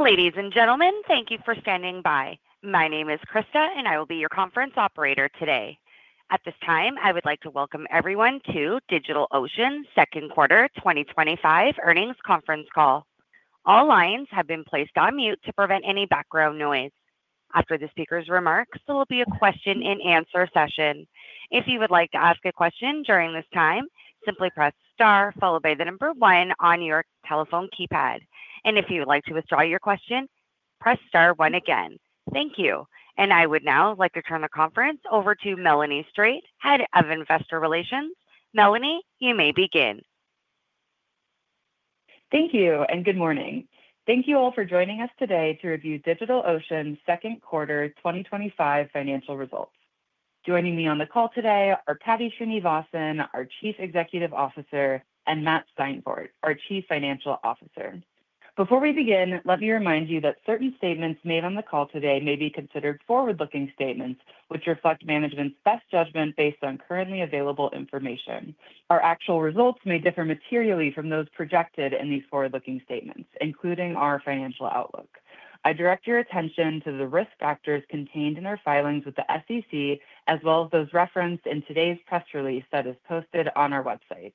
Ladies and gentlemen, thank you for standing by. My name is Krista, and I will be your conference operator today. At this time, I would like to Welcome everyone to DigitalOcean's second quarter 2025 earnings conference call. All lines have been placed on mute to prevent any background noise. After the speaker's remarks, there will be a question and answer session. If you would like to ask a question during this time, simply press star followed by the number one on your telephone keypad. If you would like to withdraw your question, press star one again. Thank you. I would now like to turn the conference over to Melanie Strate, Head of Investor Relations. Melanie, you may begin. Thank you, and good morning. Thank you all for joining us today to review DigitalOcean's second quarter 2025 financial results. Joining me on the call today are Paddy Srinivasan, our Chief Executive Officer, and Matt Steinfort, our Chief Financial Officer. Before we begin, let me remind you that certain statements made on the call today may be considered forward-looking statements, which reflect management's best judgment based on currently available information. Our actual results may differ materially from those projected in these forward-looking statements, including our financial outlook. I direct your attention to the risk factors contained in our filings with the SEC, as well as those referenced in today's press release that is posted on our website.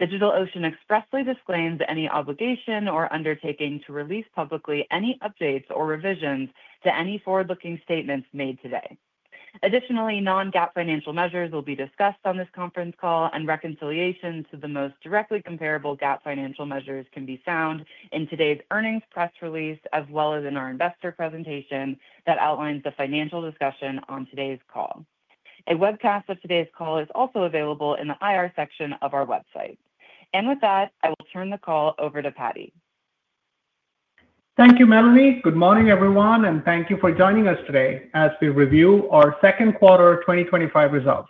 DigitalOcean expressly disclaims any obligation or undertaking to release publicly any updates or revisions to any forward-looking statements made today. Additionally, non-GAAP financial measures will be discussed on this conference call, and reconciliation to the most directly comparable GAAP financial measures can be found in today's earnings press release, as well as in our investor presentation that outlines the financial discussion on today's call. A webcast of today's call is also available in the IR section of our website. With that, I will turn the call over to Paddy. Thank you, Melanie. Good morning, everyone, and thank you for joining us today as we review our second quarter 2025 results.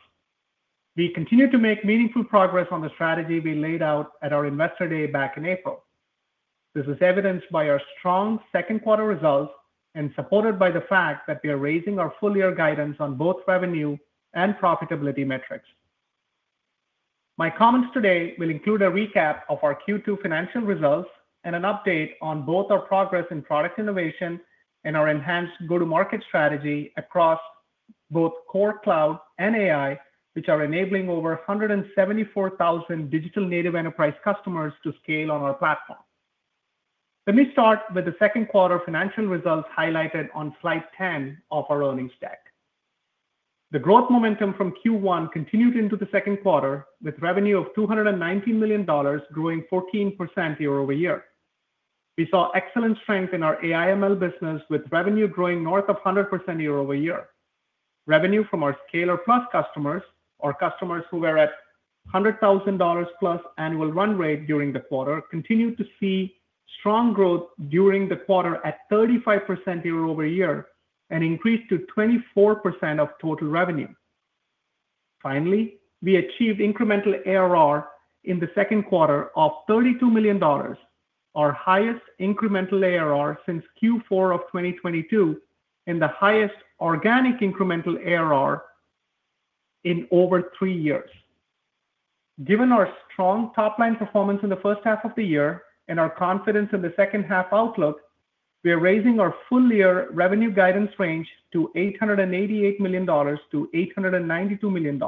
We continue to make meaningful progress on the strategy we laid out at our investor day back in April. This is evidenced by our strong second quarter results and supported by the fact that we are raising our full-year guidance on both revenue and profitability metrics. My comments today will include a recap of our Q2 financial results and an update on both our progress in product innovation and our enhanced go-to-market strategy across both core cloud and AI, which are enabling over 174,000 digital native enterprise customers to scale on our platform. Let me start with the second quarter financial results highlighted on slide 10 of our earnings deck. The growth momentum from Q1 continued into the second quarter, with revenue of $219 million growing 14% year-over-year. We saw excellent strength in our AI/ML business, with revenue growing north of 100% year-over-year. Revenue from our Scalar+ customers, our customers who were at a $100,000 plus annual run rate during the quarter, continued to see strong growth during the quarter at 35% year-over-year and increased to 24% of total revenue. Finally, we achieved incremental ARR in the second quarter of $32 million, our highest incremental ARR since Q4 of 2022, and the highest organic incremental ARR in over three years. Given our strong top-line performance in the first half of the year and our confidence in the second half outlook, we are raising our full-year revenue guidance range to $888 million-$892 million.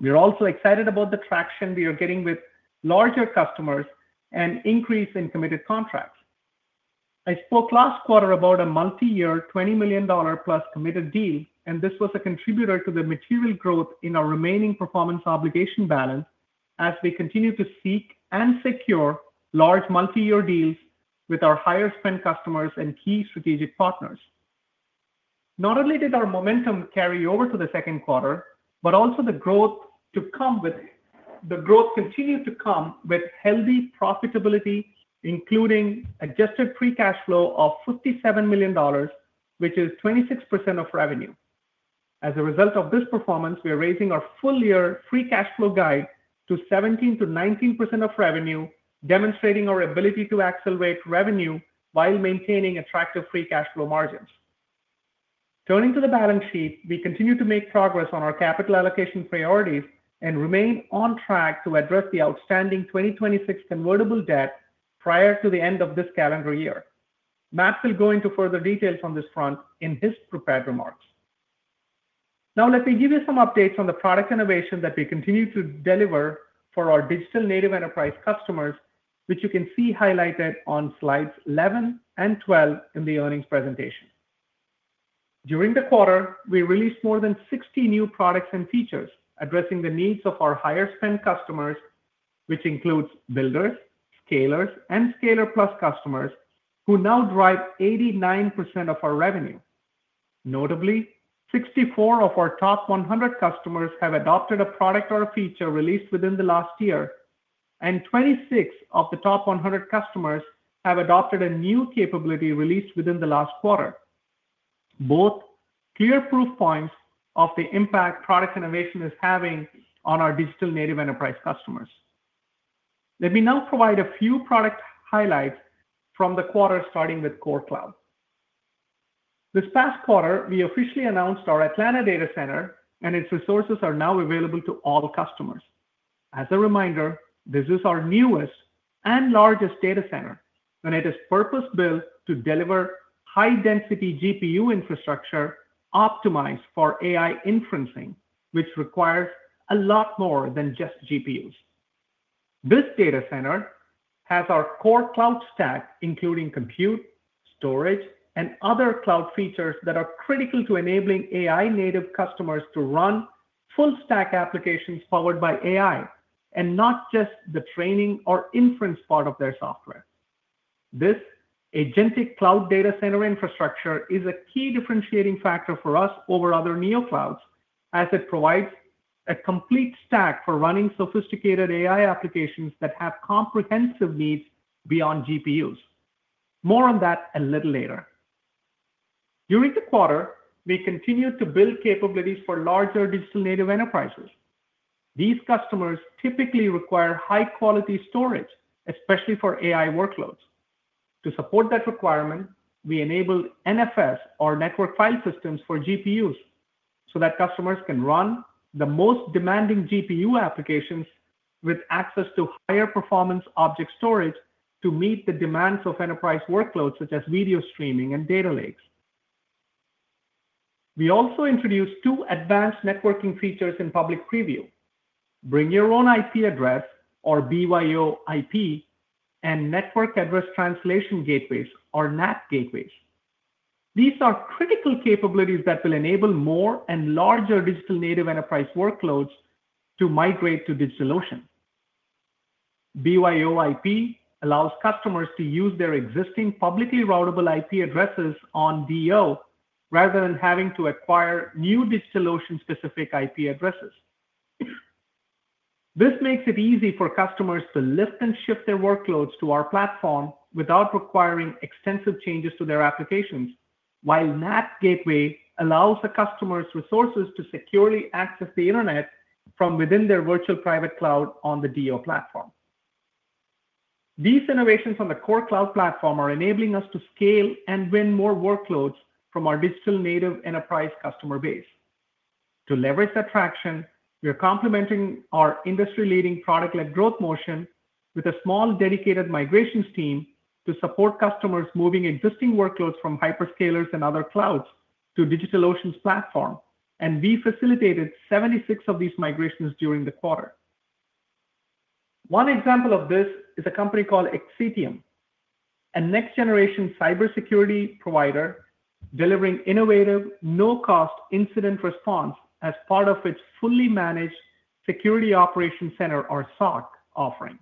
We are also excited about the traction we are getting with larger customers and an increase in committed contracts. I spoke last quarter about a multi-year $20 million+ committed deal, and this was a contributor to the material growth in our remaining performance obligation balance as we continue to seek and secure large multi-year deals with our higher spend customers and key strategic partners. Not only did our momentum carry over to the second quarter, but also the growth to come with it, the growth continued to come with healthy profitability, including adjusted free cash flow of $57 million, which is 26% of revenue. As a result of this performance, we are raising our full-year free cash flow guide to 17% to 19% of revenue, demonstrating our ability to accelerate revenue while maintaining attractive free cash flow margins. Turning to the balance sheet, we continue to make progress on our capital allocation priorities and remain on track to address the outstanding 2026 convertible debt prior to the end of this calendar year. Matt will go into further details on this front in his prepared remarks. Now, let me give you some updates on the product innovation that we continue to deliver for our digital native enterprise customers, which you can see highlighted on slides 11 and 12 in the earnings presentation. During the quarter, we released more than 60 new products and features addressing the needs of our higher spend customers, which includes builders, scalers, and Scalar+ customers who now drive 89% of our revenue. Notably, 64 of our top 100 customers have adopted a product or a feature released within the last year, and 26 of the top 100 customers have adopted a new capability released within the last quarter. Both are clear proof points of the impact product innovation is having on our digital native enterprise customers. Let me now provide a few product highlights from the quarter, starting with core cloud. This past quarter, we officially announced our Atlanta data center, and its resources are now available to all customers. As a reminder, this is our newest and largest data center, and it is purpose-built to deliver high-density GPU infrastructure optimized for AI inferencing, which requires a lot more than just GPUs. This data center has our core cloud stack, including compute, storage, and other cloud features that are critical to enabling AI-native customers to run full-stack applications powered by AI and not just the training or inference part of their software. This agentic cloud data center infrastructure is a key differentiating factor for us over other neoclouds, as it provides a complete stack for running sophisticated AI applications that have comprehensive needs beyond GPUs. More on that a little later. During the quarter, we continue to build capabilities for larger digital native enterprises. These customers typically require high-quality storage, especially for AI workloads. To support that requirement, we enabled NFS or Network File System for GPU storage so that customers can run the most demanding GPU applications with access to higher performance object storage to meet the demands of enterprise workloads such as video streaming and data lakes. We also introduced two advanced networking features in public preview: Bring Your Own IP Address, or BYOIP, and Network Address Translation Gateways, or NAT Gateways. These are critical capabilities that will enable more and larger digital native enterprise workloads to migrate to DigitalOcean. BYOIP allows customers to use their existing publicly available IP addresses on BYOIP rather than having to acquire new DigitalOcean-specific IP addresses. This makes it easy for customers to lift and shift their workloads to our platform without requiring extensive changes to their applications, while NAT Gateway allows a customer's resources to securely access the internet from within their virtual private cloud on the BYOIP platform. These innovations on the core cloud platform are enabling us to scale and win more workloads from our digital native enterprise customer base. To leverage that traction, we are complementing our industry-leading product-led growth motion with a small dedicated migrations team to support customers moving existing workloads from hyperscalers and other clouds to DigitalOcean's platform, and we facilitated 76 of these migrations during the quarter. One example of this is a company called Exium, a next-generation cybersecurity provider delivering innovative, no-cost incident response as part of its fully managed security operations center, or SOC, offering.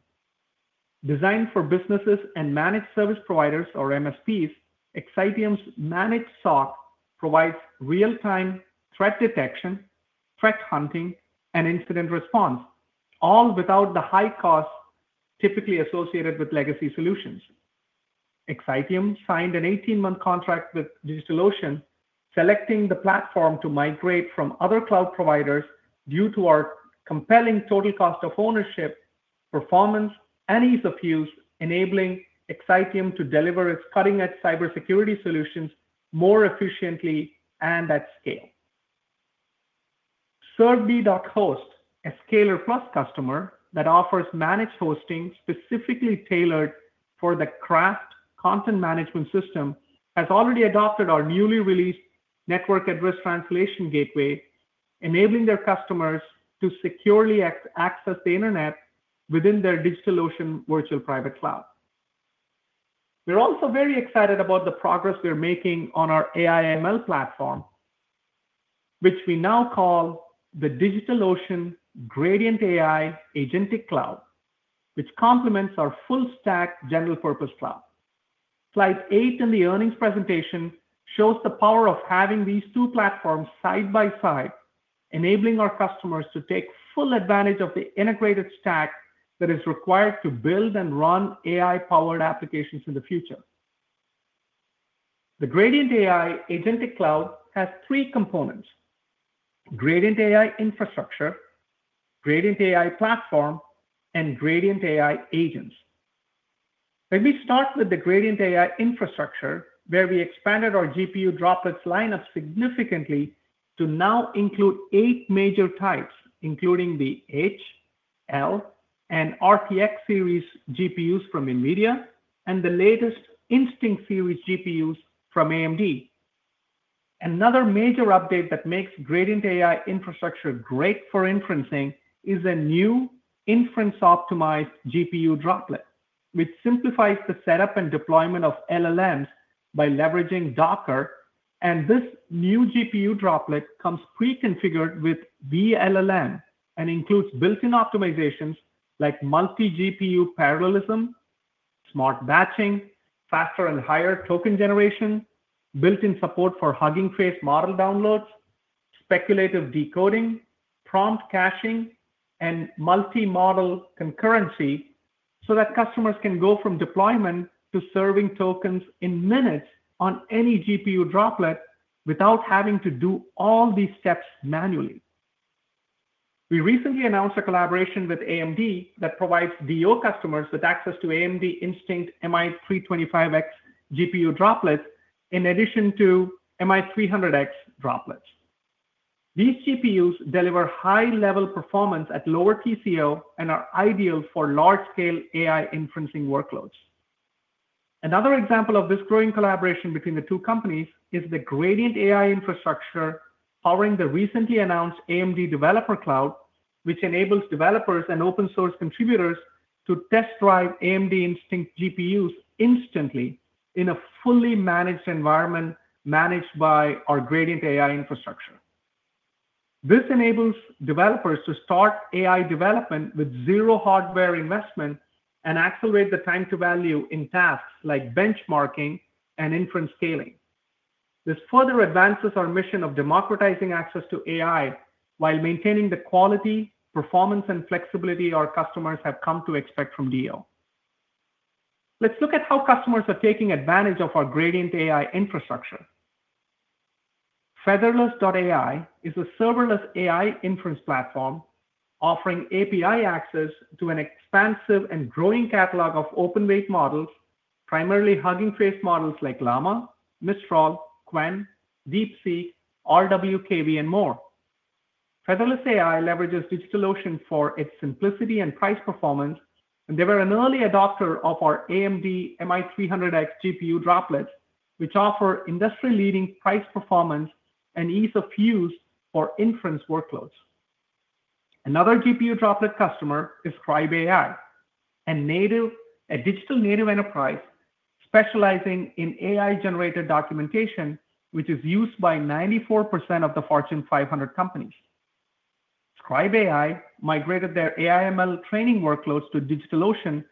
Designed for businesses and managed service providers, or MSPs, Exium's managed SOC provides real-time threat detection, threat hunting, and incident response, all without the high costs typically associated with legacy solutions. Exium signed an 18-month contract with DigitalOcean, selecting the platform to migrate from other cloud providers due to our compelling total cost of ownership, performance, and ease of use, enabling Exium to deliver its cutting-edge cybersecurity solutions more efficiently and at scale. serveMe.host, a Scalar+ customer that offers managed hosting specifically tailored for the Craft content management system, has already adopted our newly released Network Address Translation Gateway, enabling their customers to securely access the internet within their DigitalOcean virtual private cloud. We're also very excited about the progress we're making on our AI/ML platform, which we now call the DigitalOcean Gradient AI Agentic Cloud, which complements our full-stack general-purpose cloud. Slide eight in the earnings presentation shows the power of having these two platforms side by side, enabling our customers to take full advantage of the integrated stack that is required to build and run AI-powered applications in the future. The Gradient AI Agentic Cloud has three components: Gradient AI Infrastructure, Gradient AI Platform, and Gradient AI Agents. Let me start with the Gradient AI Infrastructure, where we expanded GPU Droplets lineup significantly to now include eight major types, including the H, L, and RTX series GPUs from NVIDIA, and the latest Instinct series GPUs from AMD. Another major update that makes Gradient AI Infrastructure great for inferencing is a new Inference-Optimized GPU Droplet, which simplifies the setup and deployment of LLMs by leveraging Docker, and this new GPU droplet comes preconfigured with LLM and includes built-in optimizations like multi-GPU parallelism, smart batching, faster and higher token generation, built-in support for Hugging Face model downloads, speculative decoding, prompt caching, and multi-model concurrency so that customers can go from deployment to serving tokens in minutes on any GPU droplet without having to do all these steps manually. We recently announced a collaboration with AMD that provides BYOIP customers with access to AMD Instinct GPU Droplets, in addition to MI300X droplets. These GPUs deliver high-level performance at lower TCO and are ideal for large-scale AI inferencing workloads. Another example of this growing collaboration between the two companies is the Gradient AI Infrastructure powering the recently announced AMD Developer Cloud, which enables developers and open-source contributors to test drive AMD Instinct GPUs instantly in a fully managed environment managed by our Gradient AI Infrastructure. This enables developers to start AI development with zero hardware investment and accelerate the time to value in tasks like benchmarking and inference scaling. This further advances our mission of democratizing access to AI while maintaining the quality, performance, and flexibility our customers have come to expect from BYOIP. Let's look at how customers are taking advantage of our Gradient AI Infrastructure. featherless.ai is a serverless AI inference platform offering API access to an expansive and growing catalog of open weight models, primarily Hugging Face models like Llama, Mistral, Qwen, DeepSeek, RWKV, and more. featherless.ai leverages DigitalOcean for its simplicity and price performance, and they were an early adopter of our AMD GPU Droplets, which offer industry-leading price performance and ease of use for inference workloads. Another GPU Droplet customer is ScribeAI, a digital native enterprise specializing in AI-generated documentation, which is used by 94% of the Fortune 500 companies. ScribeAI migrated their AI/ML training workloads to DigitalOcean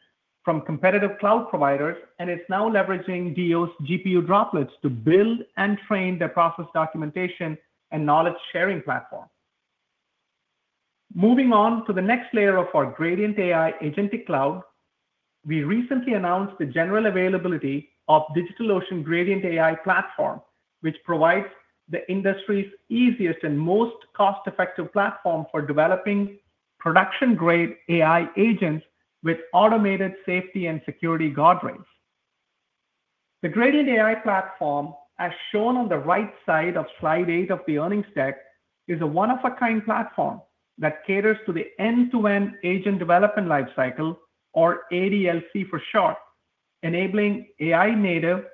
from competitive cloud providers and is now leveraging GPU Droplets to build and train their process documentation and knowledge sharing platform. Moving on to the next layer of our Gradient AI Agentic Cloud, we recently announced the general availability of DigitalOcean Gradient AI Platform, which provides the industry's easiest and most cost-effective platform for developing production-grade AI agents with automated safety and security guardrails. The Gradient AI Platform, as shown on the right side of slide eight of the earnings deck, is a one-of-a-kind platform that caters to the end-to-end agent development lifecycle, or ADLC for short, enabling AI-native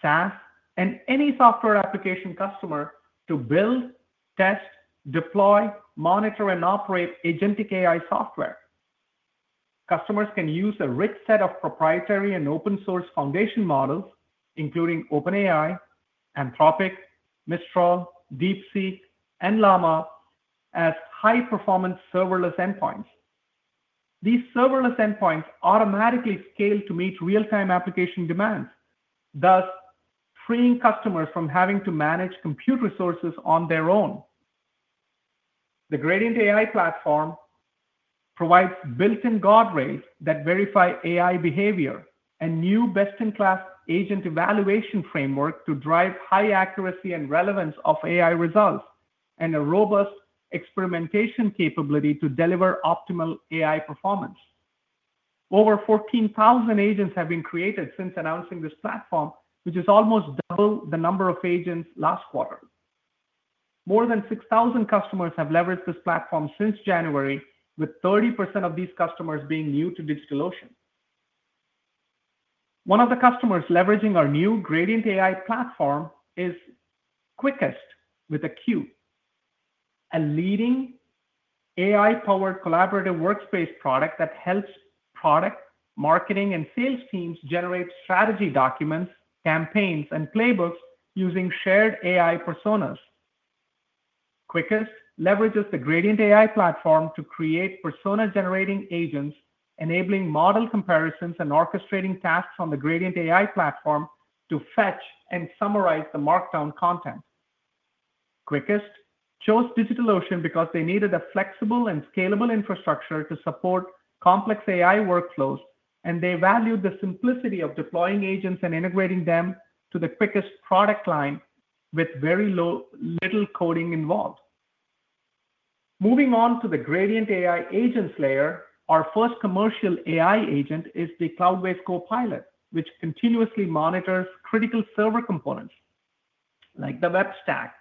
SaaS and any software application customer to build, test, deploy, monitor, and operate agentic AI software. Customers can use a rich set of proprietary and open-source foundation models, including OpenAI, Anthropic, Mistral, DeepSeek, and Llama, as high-performance serverless endpoints. These serverless endpoints automatically scale to meet real-time application demands, thus freeing customers from having to manage compute resources on their own. The Gradient AI Platform provides built-in guardrails that verify AI behavior and new best-in-class agent evaluation frameworks to drive high accuracy and relevance of AI results and a robust experimentation capability to deliver optimal AI performance. Over 14,000 agents have been created since announcing this platform, which is almost double the number of agents last quarter. More than 6,000 customers have leveraged this platform since January, with 30% of these customers being new to DigitalOcean. One of the customers leveraging our new Gradient AI Platform is Quickest, with a Q, a leading AI-powered collaborative workspace product that helps product, marketing, and sales teams generate strategy documents, campaigns, and playbooks using shared AI personas. Quickest leverages the Gradient AI Platform to create persona-generating agents, enabling model comparisons and orchestrating tasks on the Gradient AI Platform to fetch and summarize the marked-down content. Quickest chose DigitalOcean because they needed a flexible and scalable infrastructure to support complex AI workflows, and they valued the simplicity of deploying agents and integrating them to the quickest product line with very little coding involved. Moving on to the Gradient AI Agents layer, our first commercial AI agent is the Cloudways Copilot, which continuously monitors critical server components like the web stack,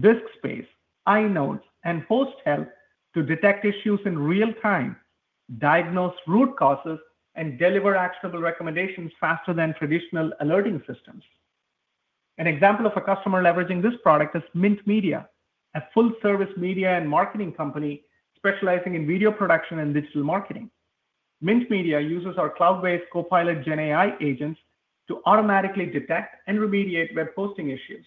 disk space, iNodes, and host health to detect issues in real time, diagnose root causes, and deliver actionable recommendations faster than traditional alerting systems. An example of a customer leveraging this product is Mint Media, a full-service media and marketing company specializing in video production and digital marketing. Mint Media uses our Cloudways Copilot GenAI agents to automatically detect and remediate web hosting issues.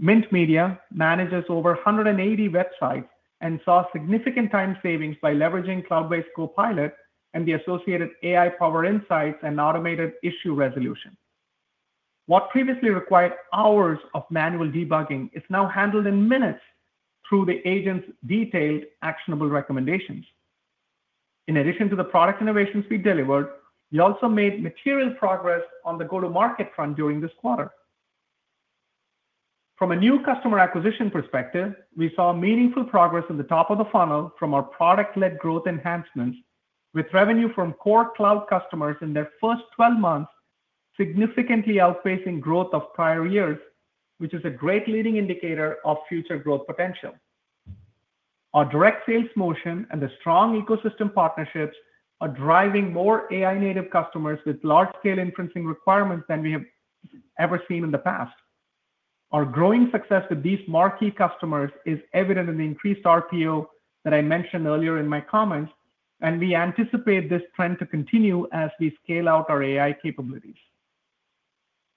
Mint Media manages over 180 websites and saw significant time savings by leveraging Cloudways Copilot and the associated AI-powered insights and automated issue resolution. What previously required hours of manual debugging is now handled in minutes through the agent's detailed actionable recommendations. In addition to the product innovations we delivered, we also made material progress on the go-to-market front during this quarter. From a new customer acquisition perspective, we saw meaningful progress in the top of the funnel from our product-led growth enhancements, with revenue from core cloud customers in their first 12 months significantly outpacing growth of prior years, which is a great leading indicator of future growth potential. Our direct sales motion and the strong ecosystem partnerships are driving more AI-native customers with large-scale inferencing requirements than we have ever seen in the past. Our growing success with these marquee customers is evident in the increased RPO that I mentioned earlier in my comments, and we anticipate this trend to continue as we scale out our AI capabilities.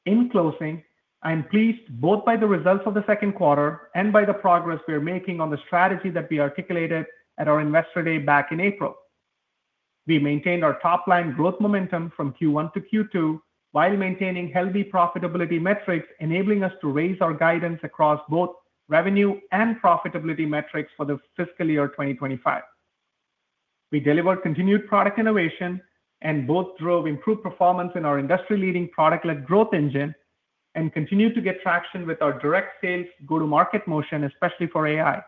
In closing, I'm pleased both by the results of the second quarter and by the progress we are making on the strategy that we articulated at our investor day back in April. We maintained our top-line growth momentum from Q1 to Q2 while maintaining healthy profitability metrics, enabling us to raise our guidance across both revenue and profitability metrics for the fiscal year 2025. We delivered continued product innovation and both drove improved performance in our industry-leading product-led growth engine and continue to get traction with our direct sales go-to-market motion, especially for AI.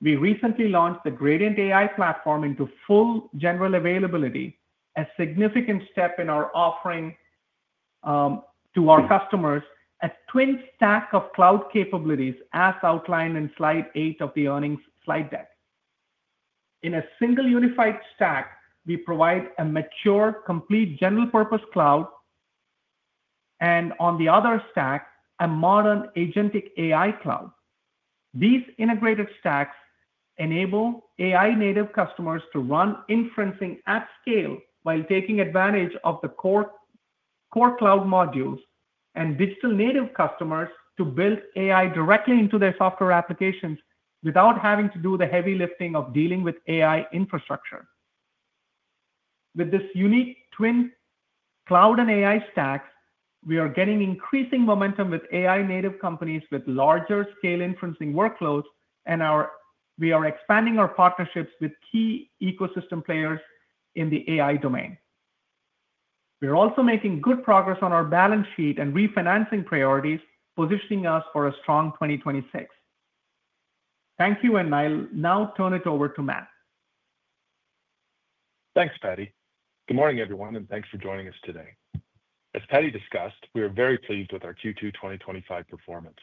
We recently launched the Gradient AI Platform into full general availability, a significant step in our offering to our customers a twin stack of cloud capabilities as outlined in slide eight of the earnings slide deck. In a single unified stack, we provide a mature, complete general-purpose cloud, and on the other stack, a modern agentic AI cloud. These integrated stacks enable AI-native customers to run inferencing at scale while taking advantage of the core cloud modules and digital native customers to build AI directly into their software applications without having to do the heavy lifting of dealing with AI infrastructure. With this unique twin cloud and AI stack, we are getting increasing momentum with AI-native companies with larger scale inferencing workloads, and we are expanding our partnerships with key ecosystem players in the AI domain. We're also making good progress on our balance sheet and refinancing priorities, positioning us for a strong 2026. Thank you, and I'll now turn it over to Matt. Thanks, Paddy. Good morning, everyone, and thanks for joining us today. As Paddy discussed, we are very pleased with our Q2 2025 performance,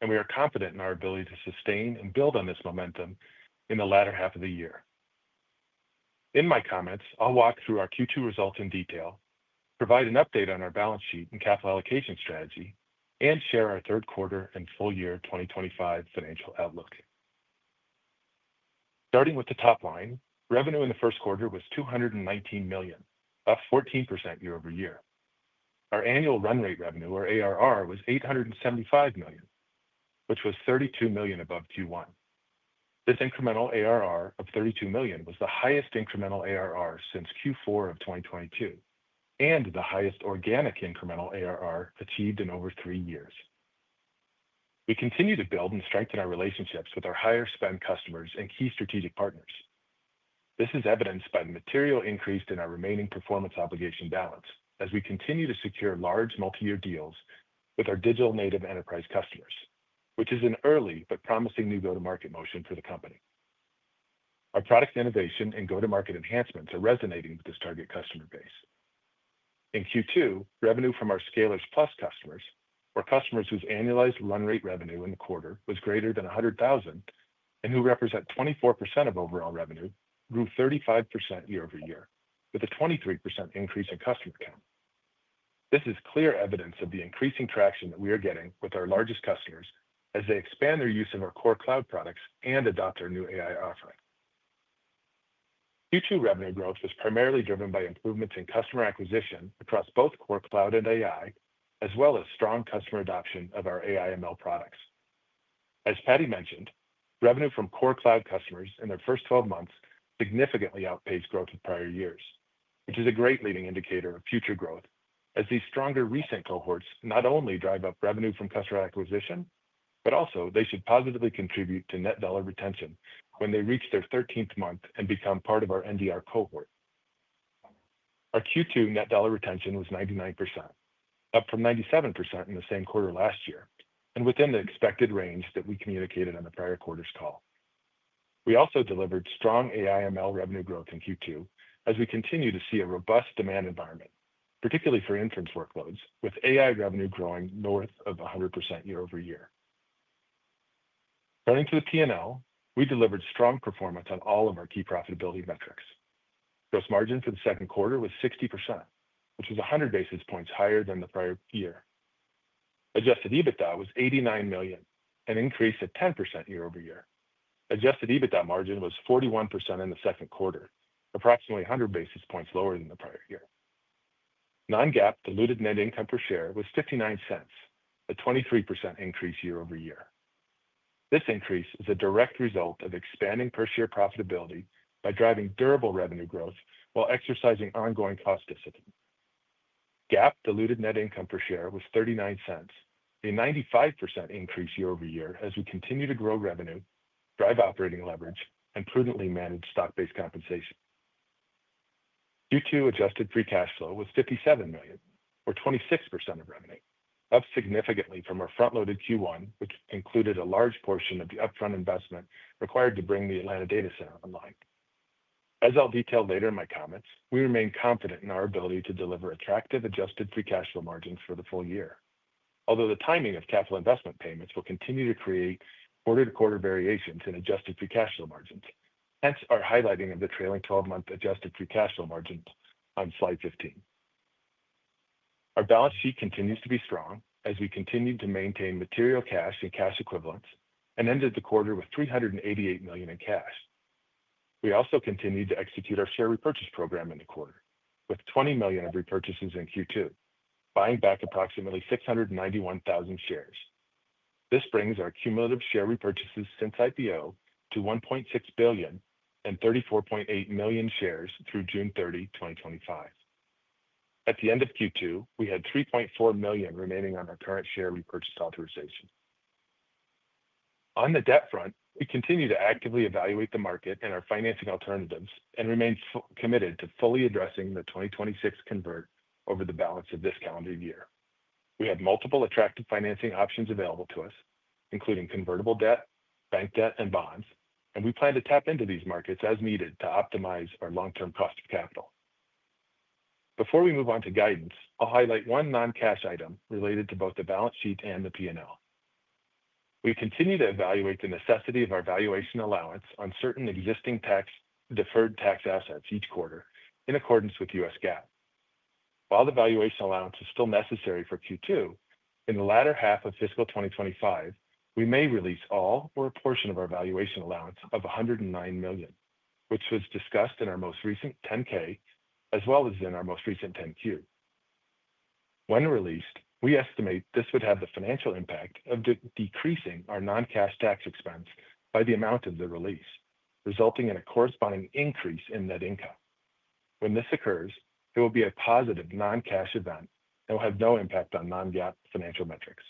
and we are confident in our ability to sustain and build on this momentum in the latter half of the year. In my comments, I'll walk through our Q2 results in detail, provide an update on our balance sheet and capital allocation strategy, and share our third quarter and full-year 2025 financial outlook. Starting with the top line, revenue in the first quarter was $219 million, up 14% year-over-year. Our annual run rate revenue, or ARR, was $875 million, which was $32 million above Q1. This incremental ARR of $32 million was the highest incremental ARR since Q4 of 2022 and the highest organic incremental ARR achieved in over three years. We continue to build and strengthen our relationships with our higher spend customers and key strategic partners. This is evidenced by the material increase in our remaining performance obligation balance as we continue to secure large multi-year deals with our digital native enterprise customers, which is an early but promising new go-to-market motion for the company. Our product innovation and go-to-market enhancements are resonating with this target customer base. In Q2, revenue from our Scalar+ customers, or customers whose annualized run rate revenue in the quarter was greater than $100,000 and who represent 24% of overall revenue, grew 35% year-over-year with a 23% increase in customer count. This is clear evidence of the increasing traction that we are getting with our largest customers as they expand their use of our core cloud products and adopt our new AI offering. Q2 revenue growth was primarily driven by improvements in customer acquisition across both core cloud and AI, as well as strong customer adoption of our AI/ML products. As Paddy mentioned, revenue from core cloud customers in their first 12 months significantly outpaced growth in prior years, which is a great leading indicator of future growth as these stronger recent cohorts not only drive up revenue from customer acquisition, but also they should positively contribute to net dollar retention when they reach their 13th month and become part of our NDR cohort. Our Q2 net dollar retention was 99%, up from 97% in the same quarter last year and within the expected range that we communicated on the prior quarter's call. We also delivered strong AI/ML revenue growth in Q2 as we continue to see a robust demand environment, particularly for inferencing workloads, with AI revenue growing north of 100% year-over-year. Turning to the P&L, we delivered strong performance on all of our key profitability metrics. Gross margin for the second quarter was 60%, which was 100 basis points higher than the prior year. Adjusted EBITDA was $89 million, an increase of 10% year-over-year. Adjusted EBITDA margin was 41% in the second quarter, approximately 100 basis points lower than the prior year. Non-GAAP diluted net income per share was $0.59, a 23% increase year-over-year. This increase is a direct result of expanding per share profitability by driving durable revenue growth while exercising ongoing cost discipline. GAAP diluted net income per share was $0.39, a 95% increase year-over-year as we continue to grow revenue, drive operating leverage, and prudently manage stock-based compensation. Q2 adjusted free cash flow was $57 million, or 26% of revenue, up significantly from our front-loaded Q1, which included a large portion of the upfront investment required to bring the Atlanta data center online. As I'll detail later in my comments, we remain confident in our ability to deliver attractive adjusted free cash flow margins for the full year, although the timing of capital investment payments will continue to create quarter-to-quarter variations in adjusted free cash flow margins, hence our highlighting of the trailing 12-month adjusted free cash flow margin on slide 15. Our balance sheet continues to be strong as we continue to maintain material cash and cash equivalents and ended the quarter with $388 million in cash. We also continue to execute our share repurchase program in the quarter, with $20 million of repurchases in Q2, buying back approximately 691,000 shares. This brings our cumulative share repurchases since IPO to $1.6 billion and 34.8 million shares through June 30, 2025. At the end of Q2, we had $3.4 million remaining on our current share repurchase authorization. On the debt front, we continue to actively evaluate the market and our financing alternatives and remain committed to fully addressing the 2026 convert over the balance of this calendar year. We had multiple attractive financing options available to us, including convertible debt, bank debt, and bonds, and we plan to tap into these markets as needed to optimize our long-term cost of capital. Before we move on to guidance, I'll highlight one non-cash item related to both the balance sheet and the P&L. We continue to evaluate the necessity of our valuation allowance on certain existing tax deferred tax assets each quarter in accordance with U.S. GAAP. While the valuation allowance is still necessary for Q2, in the latter half of fiscal 2025, we may release all or a portion of our valuation allowance of $109 million, which was discussed in our most recent 10-K as well as in our most recent 10-Q. When released, we estimate this would have the financial impact of decreasing our non-cash tax expense by the amount of the release, resulting in a corresponding increase in net income. When this occurs, it will be a positive non-cash event and will have no impact on non-GAAP financial metrics.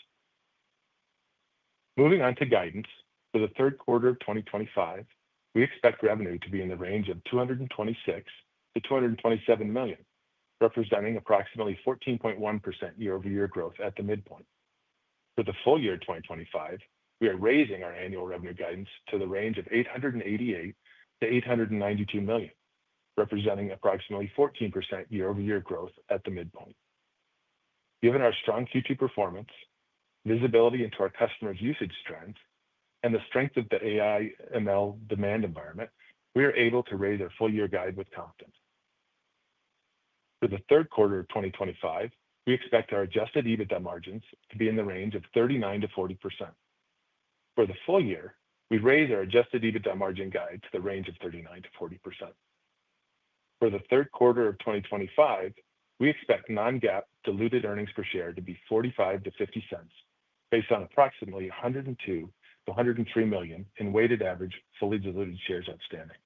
Moving on to guidance, for the third quarter of 2025, we expect revenue to be in the range of $226 million-$227 million, representing approximately 14.1% year-over-year growth at the midpoint. For the full year 2025, we are raising our annual revenue guidance to the range of $888 million-$892 million, representing approximately 14% year-over-year growth at the midpoint. Given our strong Q2 performance, visibility into our customers' usage trends, and the strength of the AI/ML demand environment, we are able to raise our full-year guide with confidence. For the third quarter of 2025, we expect our adjusted EBITDA margins to be in the range of 39%-40%. For the full year, we raise our adjusted EBITDA margin guide to the range of 39%-40%. For the third quarter of 2025, we expect non-GAAP diluted earnings per share to be $0.45-$0.50, based on approximately 102 million-103 million in weighted average fully diluted shares outstanding.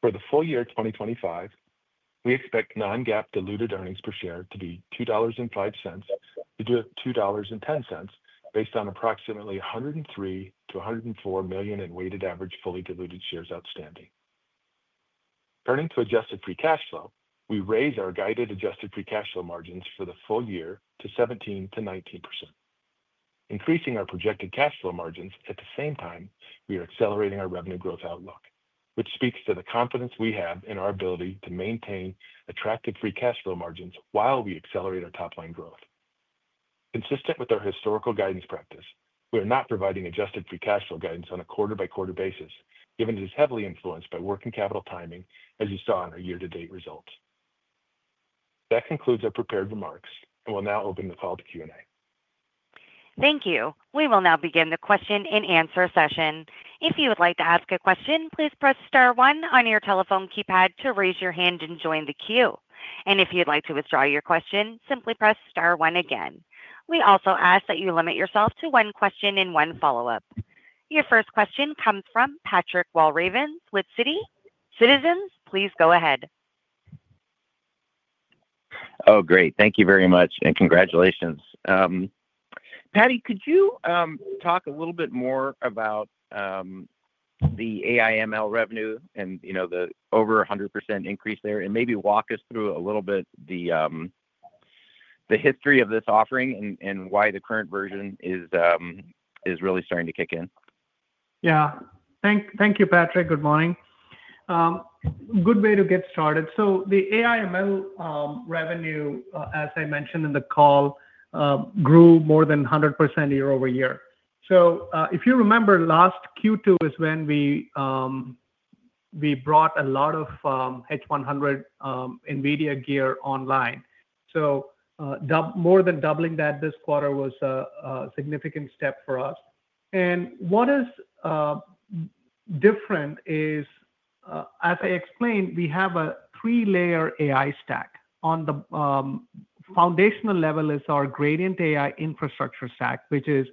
For the full year 2025, we expect non-GAAP diluted earnings per share to be $2.05-$2.10, based on approximately 103 million-104 million in weighted average fully diluted shares outstanding. Turning to adjusted free cash flow, we raise our guided adjusted free cash flow margins for the full year to 17%-19%. Increasing our projected cash flow margins at the same time, we are accelerating our revenue growth outlook, which speaks to the confidence we have in our ability to maintain attractive free cash flow margins while we accelerate our top-line growth. Consistent with our historical guidance practice, we are not providing adjusted free cash flow guidance on a quarter-by-quarter basis, given it is heavily influenced by working capital timing, as you saw in our year-to-date results. That concludes our prepared remarks, and we'll now open the call to Q&A. Thank you. We will now begin the question and answer session. If you would like to ask a question, please press star one on your telephone keypad to raise your hand and join the queue. If you'd like to withdraw your question, simply press star one again. We also ask that you limit yourself to one question and one follow-up. Your first question comes from Patrick Walravens, Citizens. Please go ahead. Oh, great. Thank you very much, and congratulations. Paddy, could you talk a little bit more about the AI/ML revenue and the over 100% increase there and maybe walk us through a little bit the history of this offering and why the current version is really starting to kick in? Thank you, Patrick. Good morning. Good way to get started. The AI/ML revenue, as I mentioned in the call, grew more than 100% year-over-year. If you remember, last Q2 is when we brought a lot of H100 NVIDIA gear online. More than doubling that this quarter was a significant step for us. What is different is, as I explained, we have a three-layer AI stack. On the foundational level is our Gradient AI Infrastructure stack, which is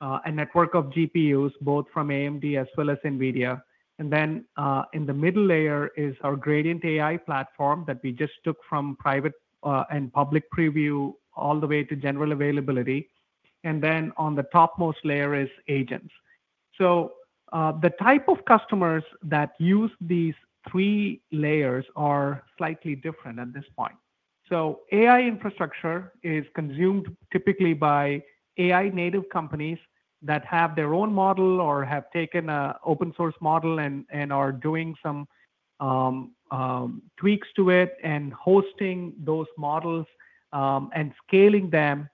a network of GPUs, both from AMD as well as NVIDIA. In the middle layer is our Gradient AI Platform that we just took from private and public preview all the way to general availability. On the topmost layer is agents. The type of customers that use these three layers are slightly different at this point. AI infrastructure is consumed typically by AI-native companies that have their own model or have taken an open-source model and are doing some tweaks to it and hosting those models and scaling them,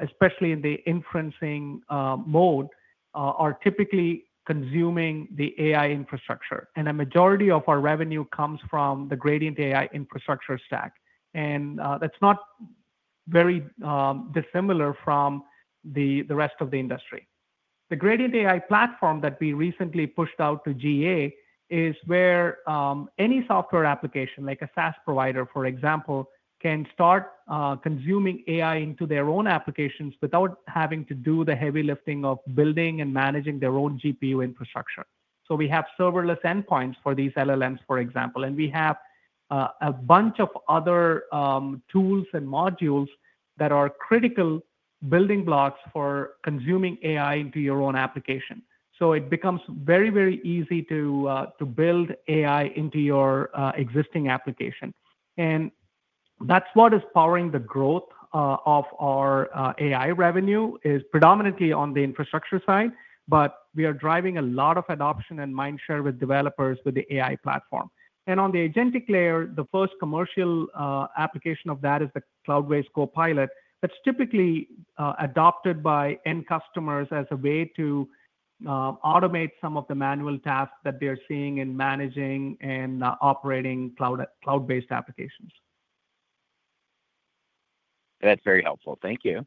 especially in the inferencing mode, are typically consuming the AI infrastructure. A majority of our revenue comes from the Gradient AI Infrastructure stack. That is not very dissimilar from the rest of the industry. The Gradient AI Platform that we recently pushed out to GA is where any software application, like a SaaS provider, for example, can start consuming AI into their own applications without having to do the heavy lifting of building and managing their own GPU infrastructure. We have serverless endpoints for these LLMs, for example, and we have a bunch of other tools and modules that are critical building blocks for consuming AI into your own application. It becomes very, very easy to build AI into your existing application. That is what is powering the growth of our AI revenue, predominantly on the infrastructure side, but we are driving a lot of adoption and mindshare with developers with the AI platform. On the agentic layer, the first commercial application of that is the Cloudways Copilot that is typically adopted by end customers as a way to automate some of the manual tasks that they are seeing in managing and operating cloud-based applications. That's very helpful. Thank you.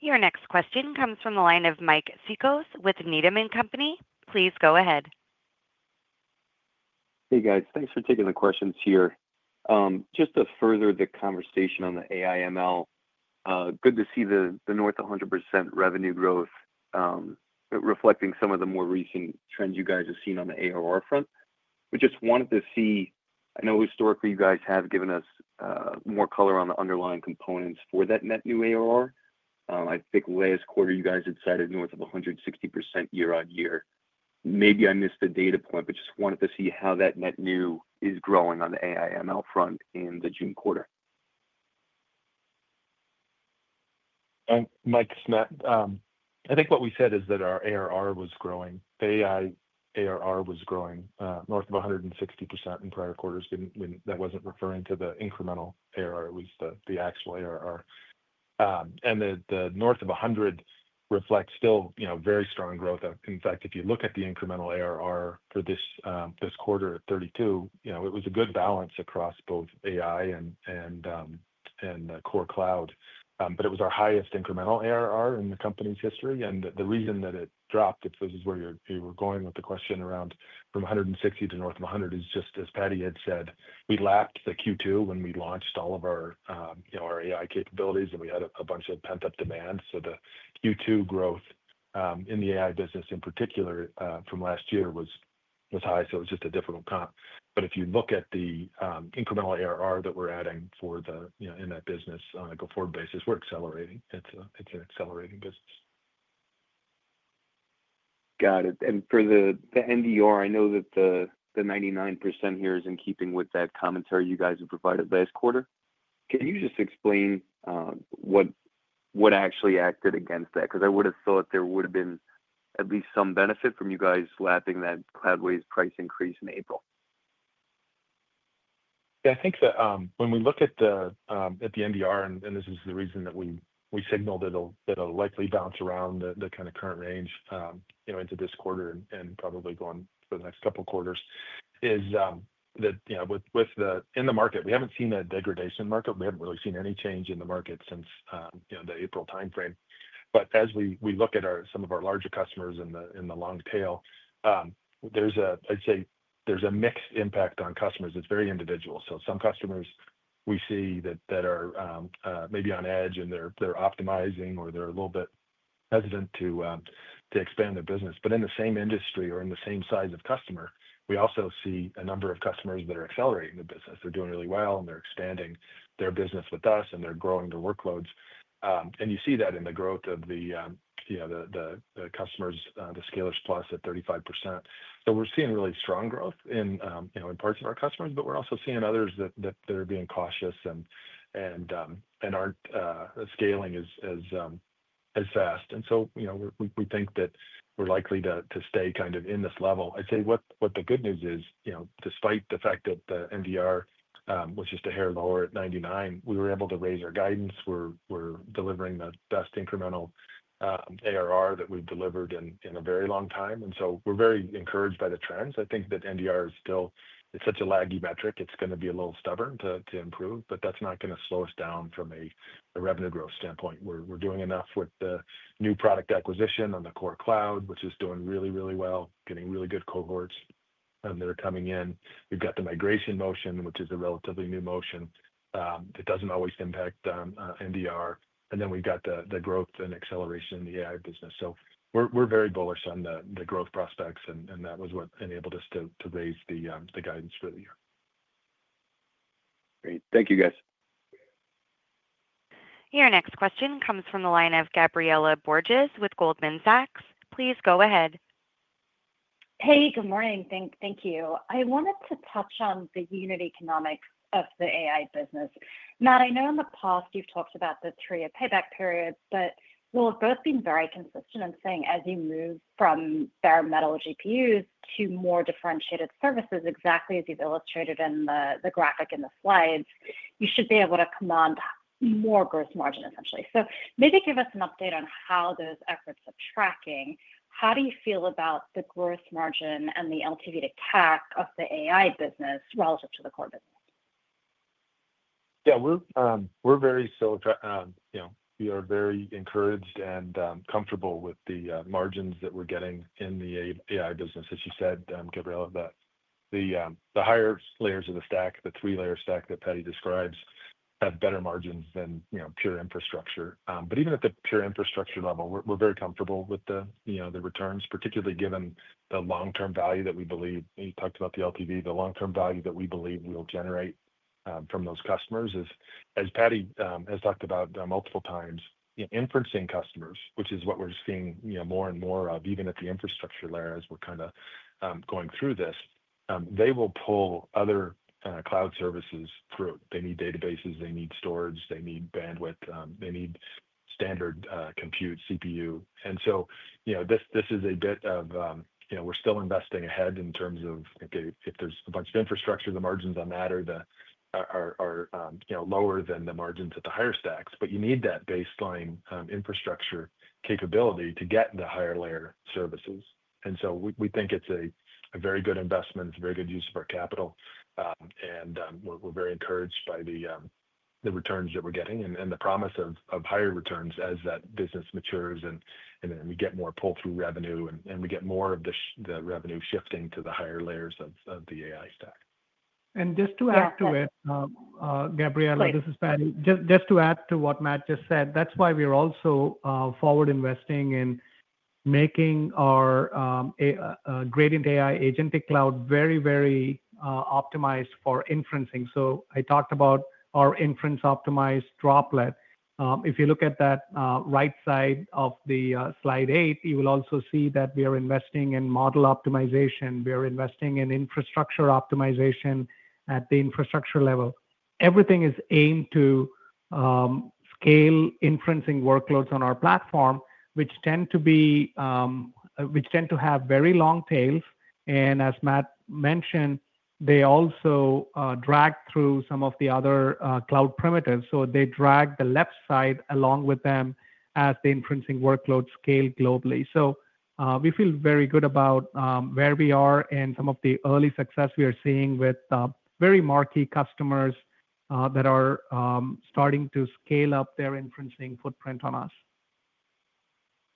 Your next question comes from the line of Mike Cikos with Needham & Company. Please go ahead. Hey, guys. Thanks for taking the questions here. Just to further the conversation on the AI/ML, good to see the north 100% revenue growth reflecting some of the more recent trends you guys have seen on the ARR front. We just wanted to see, I know historically you guys have given us more color on the underlying components for that net new ARR. I think last quarter you guys have cited north of 160% year-on-year. Maybe I missed the data point, but just wanted to see how that net new is growing on the AI/ML front in the June quarter. I think what we said is that our ARR was growing. The AI ARR was growing north of 160% in prior quarters. That wasn't referring to the incremental ARR. It was the actual ARR. The north of 100% reflects still very strong growth. In fact, if you look at the incremental ARR for this quarter at $32 million, it was a good balance across both AI and core cloud. It was our highest incremental ARR in the company's history. The reason that it dropped, if this is where you were going with the question around from 160% to north of 100%, is just as Paddy had said, we lapped the Q2 when we launched all of our AI capabilities and we had a bunch of pent-up demand. The Q2 growth in the AI business in particular from last year was high. It was just a difficult time. If you look at the incremental ARR that we're adding for the business on a growth-forward basis, we're accelerating. It's an accelerating business. Got it. For the NDR, I know that the 99% here is in keeping with that commentary you guys have provided last quarter. Can you just explain what actually acted against that? I would have thought there would have been at least some benefit from you guys lapping that Cloudways price increase in April. Yeah, I think that when we look at the NDR, and this is the reason that we signaled it'll likely bounce around the kind of current range into this quarter and probably going for the next couple of quarters, is that in the market, we haven't seen that degradation in the market. We haven't really seen any change in the market since the April timeframe. As we look at some of our larger customers in the long tail, there's a, I'd say, there's a mixed impact on customers. It's very individual. Some customers we see that are maybe on edge and they're optimizing or they're a little bit hesitant to expand their business. In the same industry or in the same size of customer, we also see a number of customers that are accelerating the business. They're doing really well and they're expanding their business with us and they're growing their workloads. You see that in the growth of the customers, the Scalar+ at 35%. We're seeing really strong growth in parts of our customers, but we're also seeing others that they're being cautious and aren't scaling as fast. We think that we're likely to stay kind of in this level. I'd say what the good news is, despite the fact that the NDR was just a hair lower at 99%, we were able to raise our guidance. We're delivering the best incremental ARR that we've delivered in a very long time. We're very encouraged by the trends. I think that NDR is still, it's such a laggy metric. It's going to be a little stubborn to improve, but that's not going to slow us down from a revenue growth standpoint. We're doing enough with the new product acquisition on the core cloud, which is doing really, really well, getting really good cohorts and they're coming in. We've got the migration motion, which is a relatively new motion. It doesn't always impact NDR. We've got the growth and acceleration in the AI business. We're very bullish on the growth prospects, and that was what enabled us to raise the guidance for the year. Great. Thank you, guys. Your next question comes from the line of Gabriela Borges with Goldman Sachs. Please go ahead. Hey, good morning. Thank you. I wanted to touch on the unit economics of the AI business. Matt, I know in the past you've talked about the three-year payback period, but we've both been very consistent in saying as you move from bare metal GPUs to more differentiated services, exactly as you've illustrated in the graphic in the slides, you should be able to command more gross margin, essentially. Maybe give us an update on how those efforts are tracking. How do you feel about the gross margin and the LTV to CAC of the AI business relative to the core business? Yeah, we're still, you know, we are very encouraged and comfortable with the margins that we're getting in the AI business. As you said, Gabriela, the higher layers of the stack, the three-layer stack that Paddy describes, have better margins than pure infrastructure. Even at the pure infrastructure level, we're very comfortable with the returns, particularly given the long-term value that we believe. You talked about the LTV, the long-term value that we believe we'll generate from those customers is, as Paddy has talked about multiple times, inferencing customers, which is what we're seeing more and more of even at the infrastructure layer as we're kind of going through this. They will pull other cloud services through. They need databases, they need storage, they need bandwidth, they need standard compute CPU. This is a bit of, you know, we're still investing ahead in terms of if there's a bunch of infrastructure, the margins on that are lower than the margins at the higher stacks. You need that baseline infrastructure capability to get into higher layer services. We think it's a very good investment, a very good use of our capital, and we're very encouraged by the returns that we're getting and the promise of higher returns as that business matures and we get more pull-through revenue and we get more of the revenue shifting to the higher layers of the AI stack. Just to add to it, Gabriela, this is Paddy. Just to add to what Matt just said, that's why we're also forward investing in making our Gradient AI Agentic Cloud very, very optimized for inferencing. I talked about our inference optimized Droplet. If you look at that right side of slide eight, you will also see that we are investing in model optimization. We are investing in infrastructure optimization at the infrastructure level. Everything is aimed to scale inferencing workloads on our platform, which tend to have very long tails. As Matt mentioned, they also drag through some of the other cloud primitives. They drag the left side along with them as the inferencing workloads scale globally. We feel very good about where we are and some of the early success we are seeing with very marquee customers that are starting to scale up their inferencing footprint on us.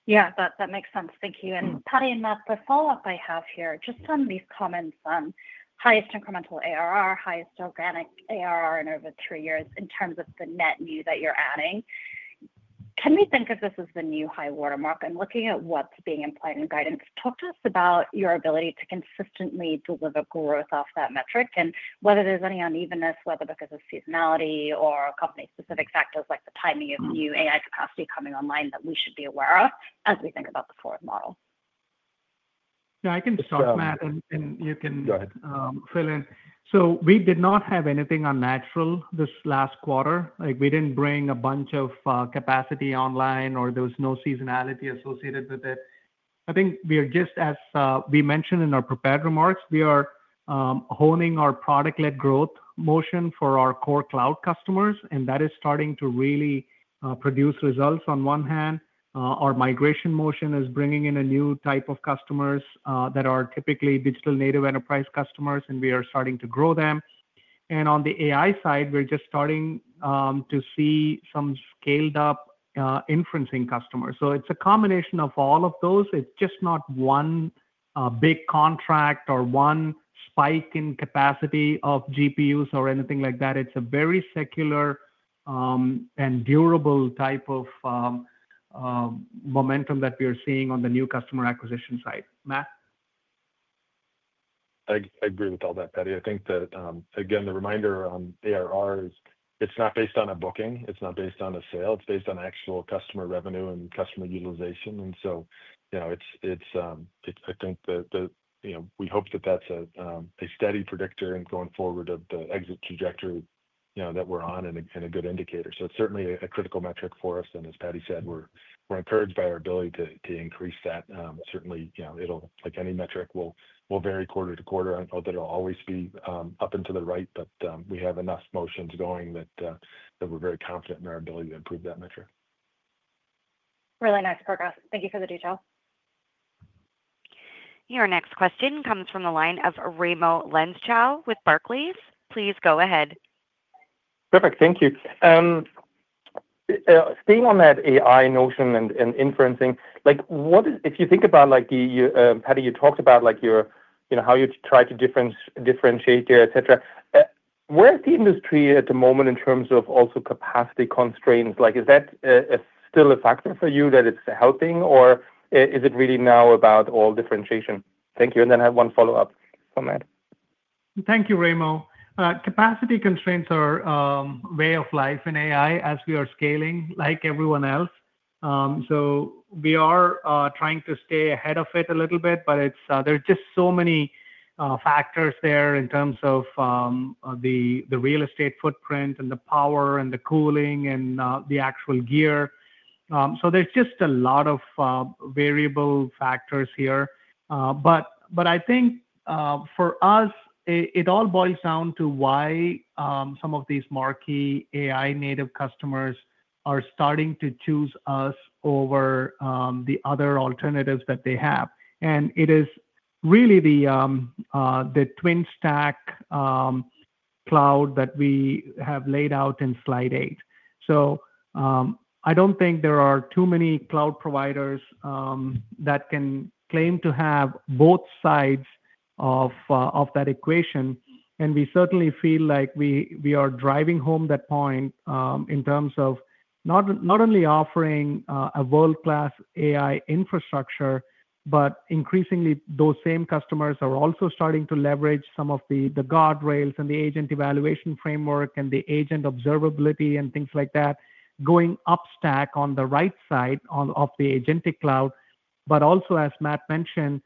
Yeah, that makes sense. Thank you. Paddy and Matt, the follow-up I have here just on these comments on highest incremental ARR, highest organic ARR in over three years in terms of the net new that you're adding. Can we think of this as the new high watermark? I'm looking at what's being implied in guidance. Talk to us about your ability to consistently deliver growth off that metric and whether there's any unevenness, whether because of seasonality or company-specific factors like the timing of new AI capacity coming online that we should be aware of as we think about the forward model. Yeah, I can just talk, Matt, and you can fill in. We did not have anything unnatural this last quarter. Like we didn't bring a bunch of capacity online or there was no seasonality associated with it. I think we are just, as we mentioned in our prepared remarks, honing our product-led growth motion for our core cloud customers, and that is starting to really produce results. On one hand, our migration motion is bringing in a new type of customers that are typically digital native enterprise customers, and we are starting to grow them. On the AI side, we're just starting to see some scaled-up inferencing customers. It's a combination of all of those. It's just not one big contract or one spike in capacity of GPUs or anything like that. It's a very secular and durable type of momentum that we are seeing on the new customer acquisition side. Matt? I agree with all that, Paddy. I think that, again, the reminder on ARR is it's not based on a booking. It's not based on a sale. It's based on actual customer revenue and customer utilization. I think that we hope that that's a steady predictor in going forward of the exit trajectory that we're on and a good indicator. It's certainly a critical metric for us. As Paddy said, we're encouraged by our ability to increase that. Certainly, it'll, like any metric, vary quarter to quarter. I hope it'll always be up and to the right, but we have enough motions going that we're very confident in our ability to improve that metric. Really nice paragraph. Thank you for the detail. Your next question comes from the line of Raimo Lenschow with Barclays. Please go ahead. Perfect. Thank you. Staying on that AI notion and inferencing, what is, if you think about, like Paddy, you talked about your, you know, how you try to differentiate, etc. Where is the industry at the moment in terms of also capacity constraints? Is that still a factor for you that it's helping, or is it really now about all differentiation? Thank you. I have one follow-up on that. Thank you, Raimo. Capacity constraints are a way of life in AI as we are scaling like everyone else. We are trying to stay ahead of it a little bit, but there are just so many factors there in terms of the real estate footprint, the power, the cooling, and the actual gear. There are just a lot of variable factors here. I think for us, it all boils down to why some of these marquee AI-native customers are starting to choose us over the other alternatives that they have. It is really the twin-stack cloud that we have laid out in slide eight. I don't think there are too many cloud providers that can claim to have both sides of that equation. We certainly feel like we are driving home that point in terms of not only offering a world-class AI infrastructure, but increasingly those same customers are also starting to leverage some of the guardrails, the agent evaluation framework, the agent observability, and things like that, going up stack on the right side of the agentic cloud. As Matt mentioned,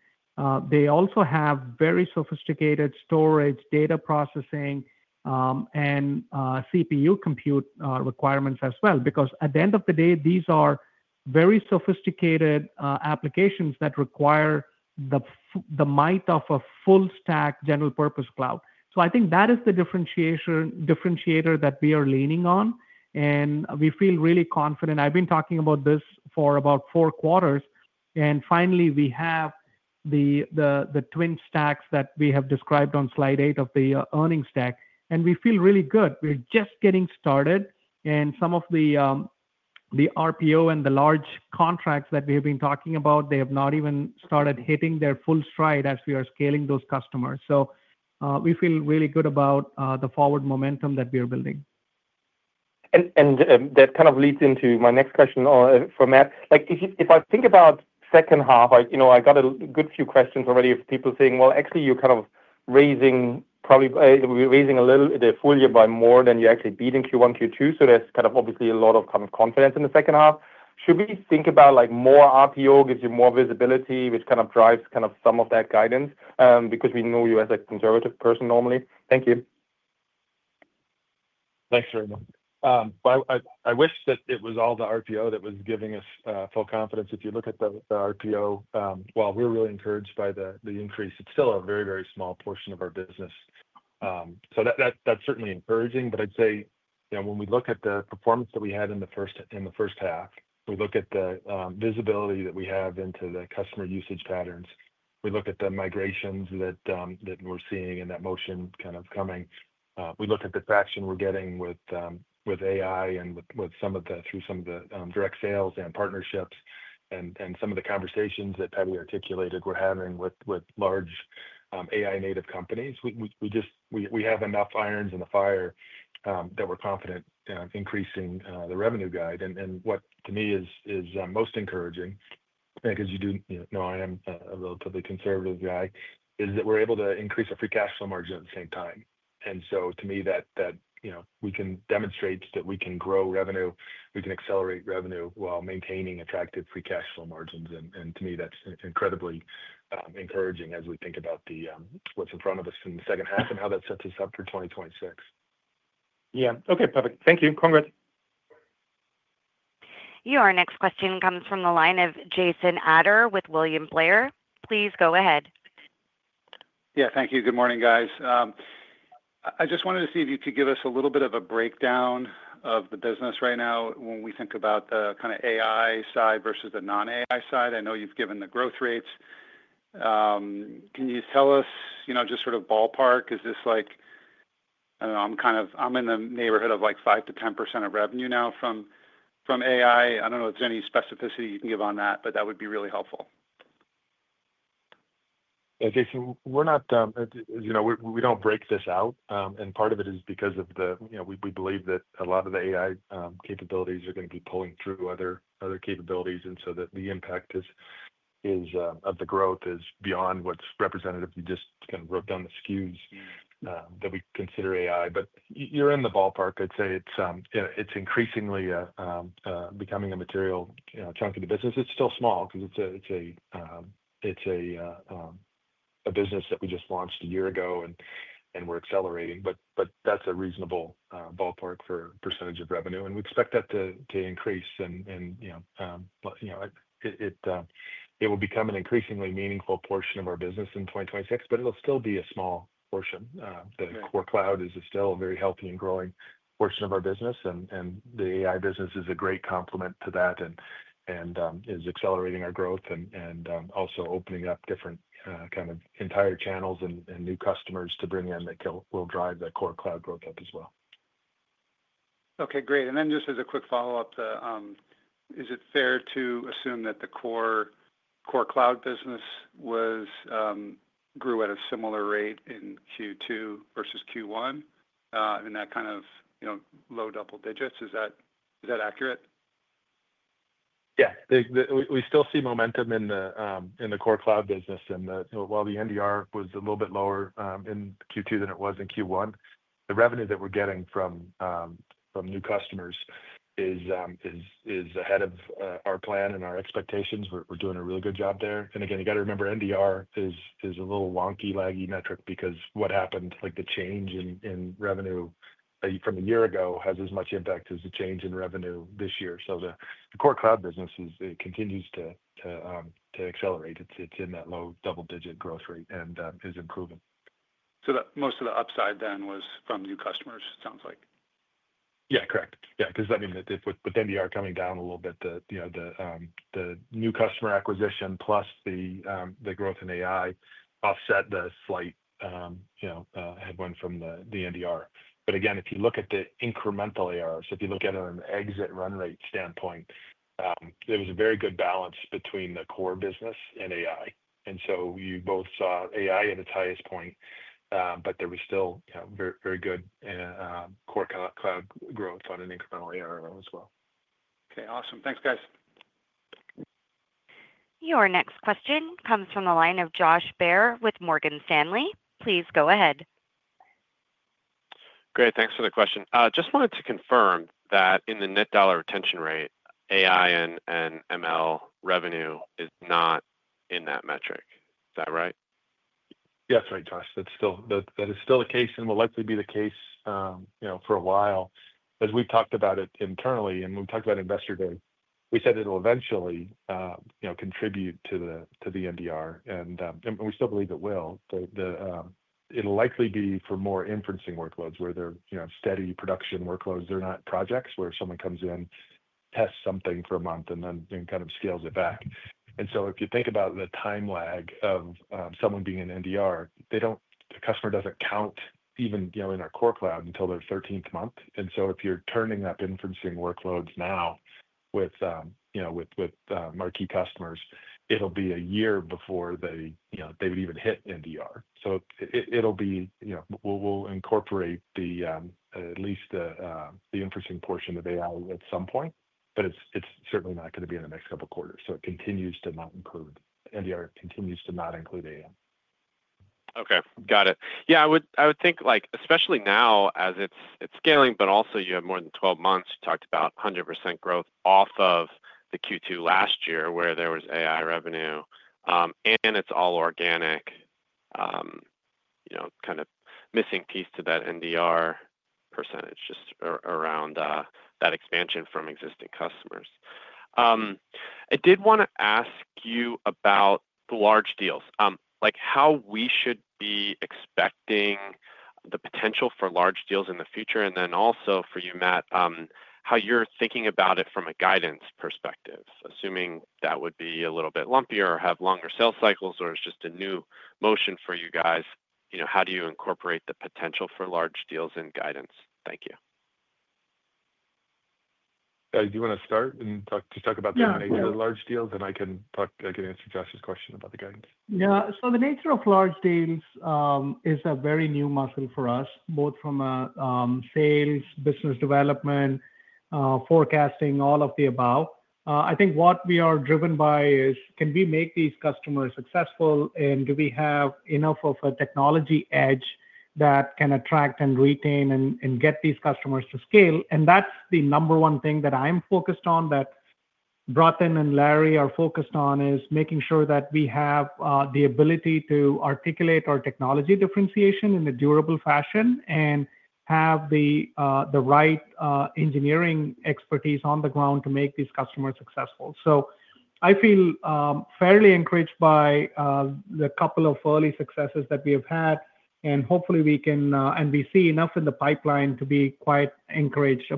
they also have very sophisticated storage, data processing, and CPU compute requirements as well. At the end of the day, these are very sophisticated applications that require the might of a full-stack general-purpose cloud. I think that is the differentiator that we are leaning on. We feel really confident. I've been talking about this for about four quarters. Finally, we have the twin stacks that we have described on slide eight of the earnings deck. We feel really good. We're just getting started. Some of the RPO and the large contracts that we have been talking about have not even started hitting their full stride as we are scaling those customers. We feel really good about the forward momentum that we are building. That kind of leads into my next question for Matt. If I think about the second half, you know I got a good few questions already of people saying, actually, you're kind of raising probably a little bit fuller by more than you're actually beating Q1, Q2. There's obviously a lot of confidence in the second half. Should we think about more RPO gives you more visibility, which kind of drives some of that guidance because we know you as a conservative person normally? Thank you. Thanks, Raymo. I wish that it was all the RPO that was giving us full confidence. If you look at the RPO, we're really encouraged by the increase. It's still a very, very small portion of our business. That's certainly encouraging. I'd say when we look at the performance that we had in the first half, we look at the visibility that we have into the customer usage patterns. We look at the migrations that we're seeing and that motion kind of coming. We look at the traction we're getting with AI and with some of the direct sales and partnerships and some of the conversations that Paddy articulated we're having with large AI-native companies. We just have enough irons in the fire that we're confident in increasing the revenue guide. What to me is most encouraging, because you do know I am a relatively conservative guy, is that we're able to increase our free cash flow margins at the same time. To me, that we can demonstrate that we can grow revenue, we can accelerate revenue while maintaining attractive free cash flow margins. To me, that's incredibly encouraging as we think about what's in front of us in the second half and how that sets us up for 2026. Yeah. Okay. Perfect. Thank you. Congrats. Your next question comes from the line of Jason Ader with William Blair. Please go ahead. Thank you. Good morning, guys. I just wanted to see if you could give us a little bit of a breakdown of the business right now when we think about the kind of AI side versus the non-AI side. I know you've given the growth rates. Can you tell us, you know, just sort of ballpark, is this like, I don't know, I'm kind of, I'm in the neighborhood of like 5%-10% of revenue now from AI. I don't know if there's any specificity you can give on that, but that would be really helpful. Jason, we're not, you know, we don't break this out. Part of it is because, you know, we believe that a lot of the AI capabilities are going to be pulling through other capabilities. The impact of the growth is beyond what's represented if you just kind of wrote down the SKUs that we consider AI. You're in the ballpark. I'd say it's increasingly becoming a material chunk of the business. It's still small because it's a business that we just launched a year ago, and we're accelerating. That's a reasonable ballpark for a percentage of revenue. We expect that to increase, and it will become an increasingly meaningful portion of our business in 2026. It'll still be a small portion. The core cloud is still a very healthy and growing portion of our business. The AI business is a great complement to that and is accelerating our growth and also opening up different entire channels and new customers to bring in that will drive that core cloud growth up as well. Okay. Great. And then just as a quick follow-up, is it fair to assume that the core cloud business grew at a similar rate in Q2 versus Q1? I mean, that kind of low double digits. Is that accurate? Yeah. We still see momentum in the core cloud business. While the NDR was a little bit lower in Q2 than it was in Q1, the revenue that we're getting from new customers is ahead of our plan and our expectations. We're doing a really good job there. You got to remember NDR is a little wonky, laggy metric because what happened, like the change in revenue from a year ago has as much impact as the change in revenue this year. The core cloud business continues to accelerate. It's in that low double-digit growth rate and is improving. Most of the upside then was from new customers, it sounds like. Yeah, correct. Yeah, because with NDR coming down a little bit, the new customer acquisition plus the growth in AI offset the slight headwind from the NDR. If you look at the incremental ARR, if you look at it on an exit run rate standpoint, there was a very good balance between the core business and AI. We both saw AI at its highest point, but there was still very good core cloud growth on an incremental ARR as well. Okay. Awesome. Thanks, guys. Your next question comes from the line of Josh Baer with Morgan Stanley. Please go ahead. Great. Thanks for the question. I just wanted to confirm that in the net dollar retention rate, AI/ML revenue is not in that metric. Is that right? Yes, right, Josh. That is still the case and will likely be the case for a while. As we've talked about it internally, and we've talked about investor data, we said it'll eventually contribute to the NDR, and we still believe it will. It'll likely be for more inferencing workloads where they're steady production workloads. They're not projects where someone comes in, tests something for a month, and then kind of scales it back. If you think about the time lag of someone being in NDR, a customer doesn't count even in our core cloud until their 13th month. If you're turning up inferencing workloads now with marquee customers, it'll be a year before they would even hit NDR. We will incorporate at least the inferencing portion of AI at some point, but it's certainly not going to be in the next couple of quarters. It continues to not include, NDR continues to not include AI. Okay. Got it. I would think, like especially now as it's scaling, but also you have more than 12 months. You talked about 100% growth off of the Q2 last year where there was AI revenue, and it's all organic, you know, kind of missing piece to that NDR % just around that expansion from existing customers. I did want to ask you about the large deals, like how we should be expecting the potential for large deals in the future, and then also for you, Matt, how you're thinking about it from a guidance perspective, assuming that would be a little bit lumpier or have longer sales cycles, or it's just a new motion for you guys. How do you incorporate the potential for large deals in guidance? Thank you. Do you want to start and talk about the nature of the large deals, and I can answer Josh's question about the guidance? Yeah. The nature of large deals is a very new muscle for us, both from a sales, business development, forecasting, all of the above. I think what we are driven by is, can we make these customers successful, and do we have enough of a technology edge that can attract and retain and get these customers to scale? That's the number one thing that I'm focused on, that Britain and Larry are focused on, making sure that we have the ability to articulate our technology differentiation in a durable fashion and have the right engineering expertise on the ground to make these customers successful. I feel fairly encouraged by the couple of early successes that we have had, and hopefully we can, and we see enough in the pipeline to be quite encouraged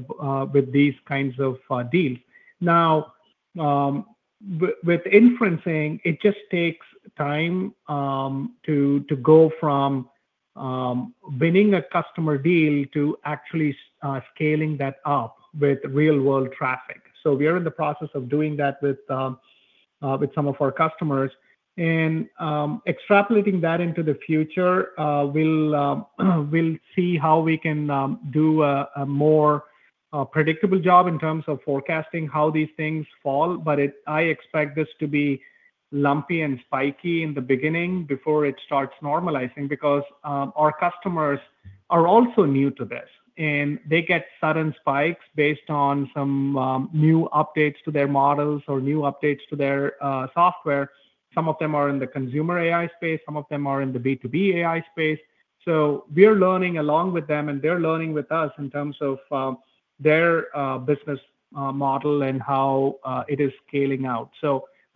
with these kinds of deals. With inferencing, it just takes time to go from winning a customer deal to actually scaling that up with real-world traffic. We are in the process of doing that with some of our customers. Extrapolating that into the future, we'll see how we can do a more predictable job in terms of forecasting how these things fall. I expect this to be lumpy and spiky in the beginning before it starts normalizing because our customers are also new to this, and they get sudden spikes based on some new updates to their models or new updates to their software. Some of them are in the consumer AI space. Some of them are in the B2B AI space. We're learning along with them, and they're learning with us in terms of their business model and how it is scaling out.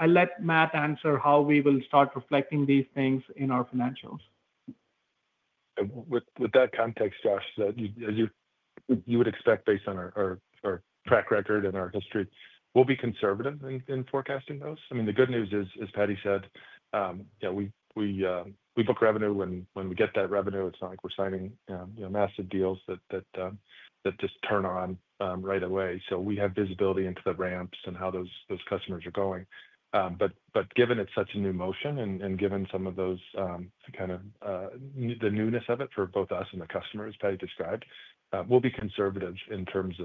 I'll let Matt answer how we will start reflecting these things in our financials. With that context, Josh, you would expect based on our track record and our history, we'll be conservative in forecasting those. The good news is, as Paddy said, we book revenue, and when we get that revenue, it's not like we're signing massive deals that just turn on right away. We have visibility into the ramps and how those customers are going. Given it's such a new motion and given some of the newness of it for both us and the customers Paddy described, we'll be conservative in terms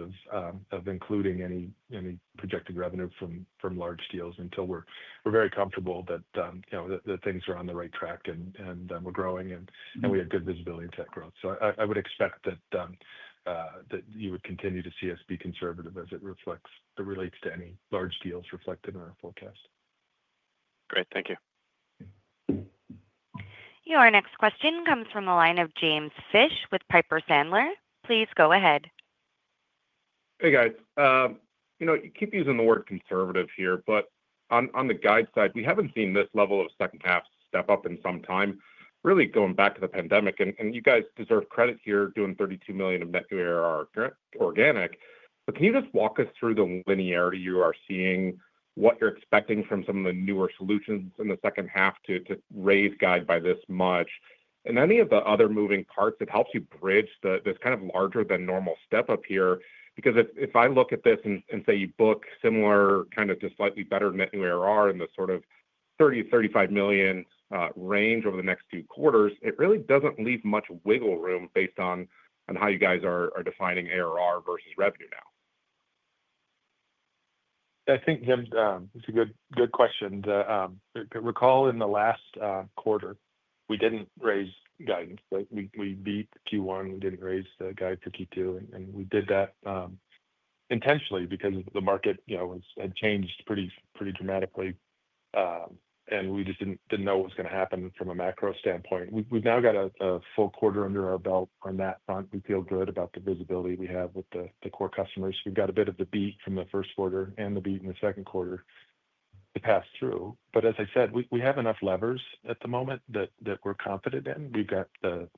of including any projected revenue from large deals until we're very comfortable that things are on the right track and we're growing and we have good visibility to that growth. I would expect that you would continue to see us be conservative as it relates to any large deals reflected in our forecast. Great, thank you. Your next question comes from the line of James Fish with Piper Sandler. Please go ahead. Hey, guys. You know, you keep using the word conservative here, but on the guide side, we haven't seen this level of second half step up in some time, really going back to the pandemic. You guys deserve credit here doing $32 million of net new ARR organic. Can you just walk us through the linearity you are seeing, what you're expecting from some of the newer solutions in the second half to raise guide by this much? Any of the other moving parts that helps you bridge this kind of larger than normal step up here? If I look at this and say you book similar kind of to slightly better net new ARR in the sort of $30 million, $35 million range over the next two quarters, it really doesn't leave much wiggle room based on how you guys are defining ARR versus revenue now. Yeah. I think, ,it's a good question. Recall in the last quarter, we didn't raise guidance. We beat Q1. We didn't raise the guide to Q2. We did that intentionally because the market had changed pretty dramatically, and we just didn't know what was going to happen from a macro standpoint. We've now got a full quarter under our belt on that front. We feel good about the visibility we have with the core customers. We've got a bit of the beat from the first quarter and the beat in the second quarter to pass through. As I said, we have enough levers at the moment that we're confident in. We've got the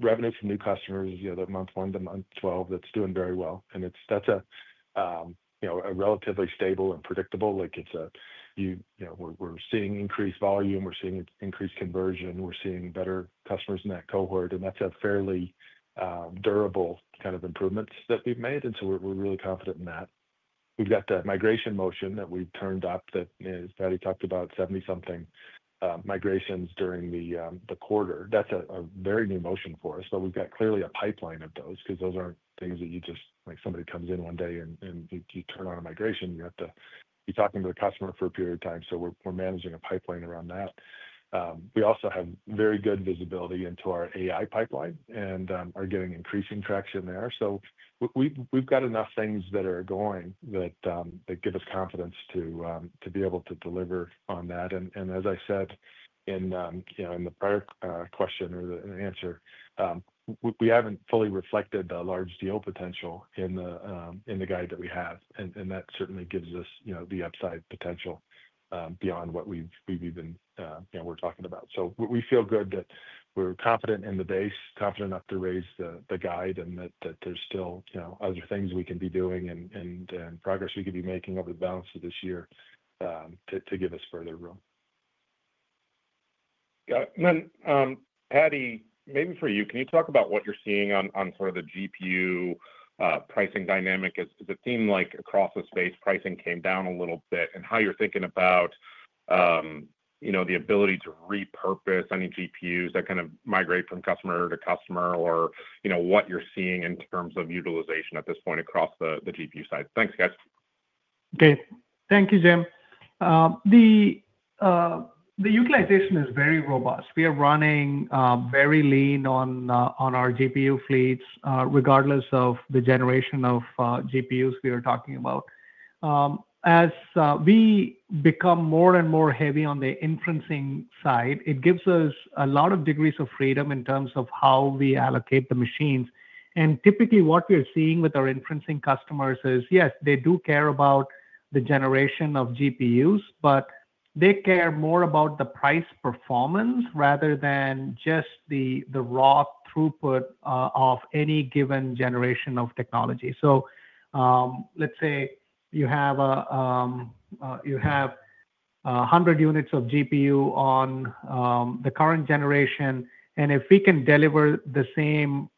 revenue from new customers, the month 1-month 12 that's doing very well. That's relatively stable and predictable. We're seeing increased volume. We're seeing increased conversion. We're seeing better customers in that cohort. That's a fairly durable kind of improvement that we've made. We're really confident in that. We've got the migration motion that we turned up that, as Paddy talked about, 70-something migrations during the quarter. That's a very new motion for us. We've got clearly a pipeline of those because those aren't things that you just, like somebody comes in one day and you turn on a migration. You have to be talking to the customer for a period of time. We're managing a pipeline around that. We also have very good visibility into our AI pipeline and are getting increasing traction there. We've got enough things that are going that give us confidence to be able to deliver on that. As I said in the prior question or the answer, we haven't fully reflected the large deal potential in the guide that we have. That certainly gives us the upside potential beyond what we've even been talking about. We feel good that we're confident in the base, confident enough to raise the guide, and that there's still other things we can be doing and progress we could be making over the balance of this year to give us further room. Paddy, maybe for you, can you talk about what you're seeing on sort of the GPU pricing dynamic? It seemed like across the space, pricing came down a little bit. How you're thinking about the ability to repurpose any GPUs that kind of migrate from customer to customer or what you're seeing in terms of utilization at this point across the GPU side. Thanks, guys. Thank you, Jim. The utilization is very robust. We are running very lean on our GPU fleets, regardless of the generation of GPUs we are talking about. As we become more and more heavy on the inferencing side, it gives us a lot of degrees of freedom in terms of how we allocate the machines. Typically, what we are seeing with our inferencing customers is, yes, they do care about the generation of GPUs, but they care more about the price performance rather than just the raw throughput of any given generation of technology. Let's say you have 100 units of GPU on the current generation, and if we can deliver the same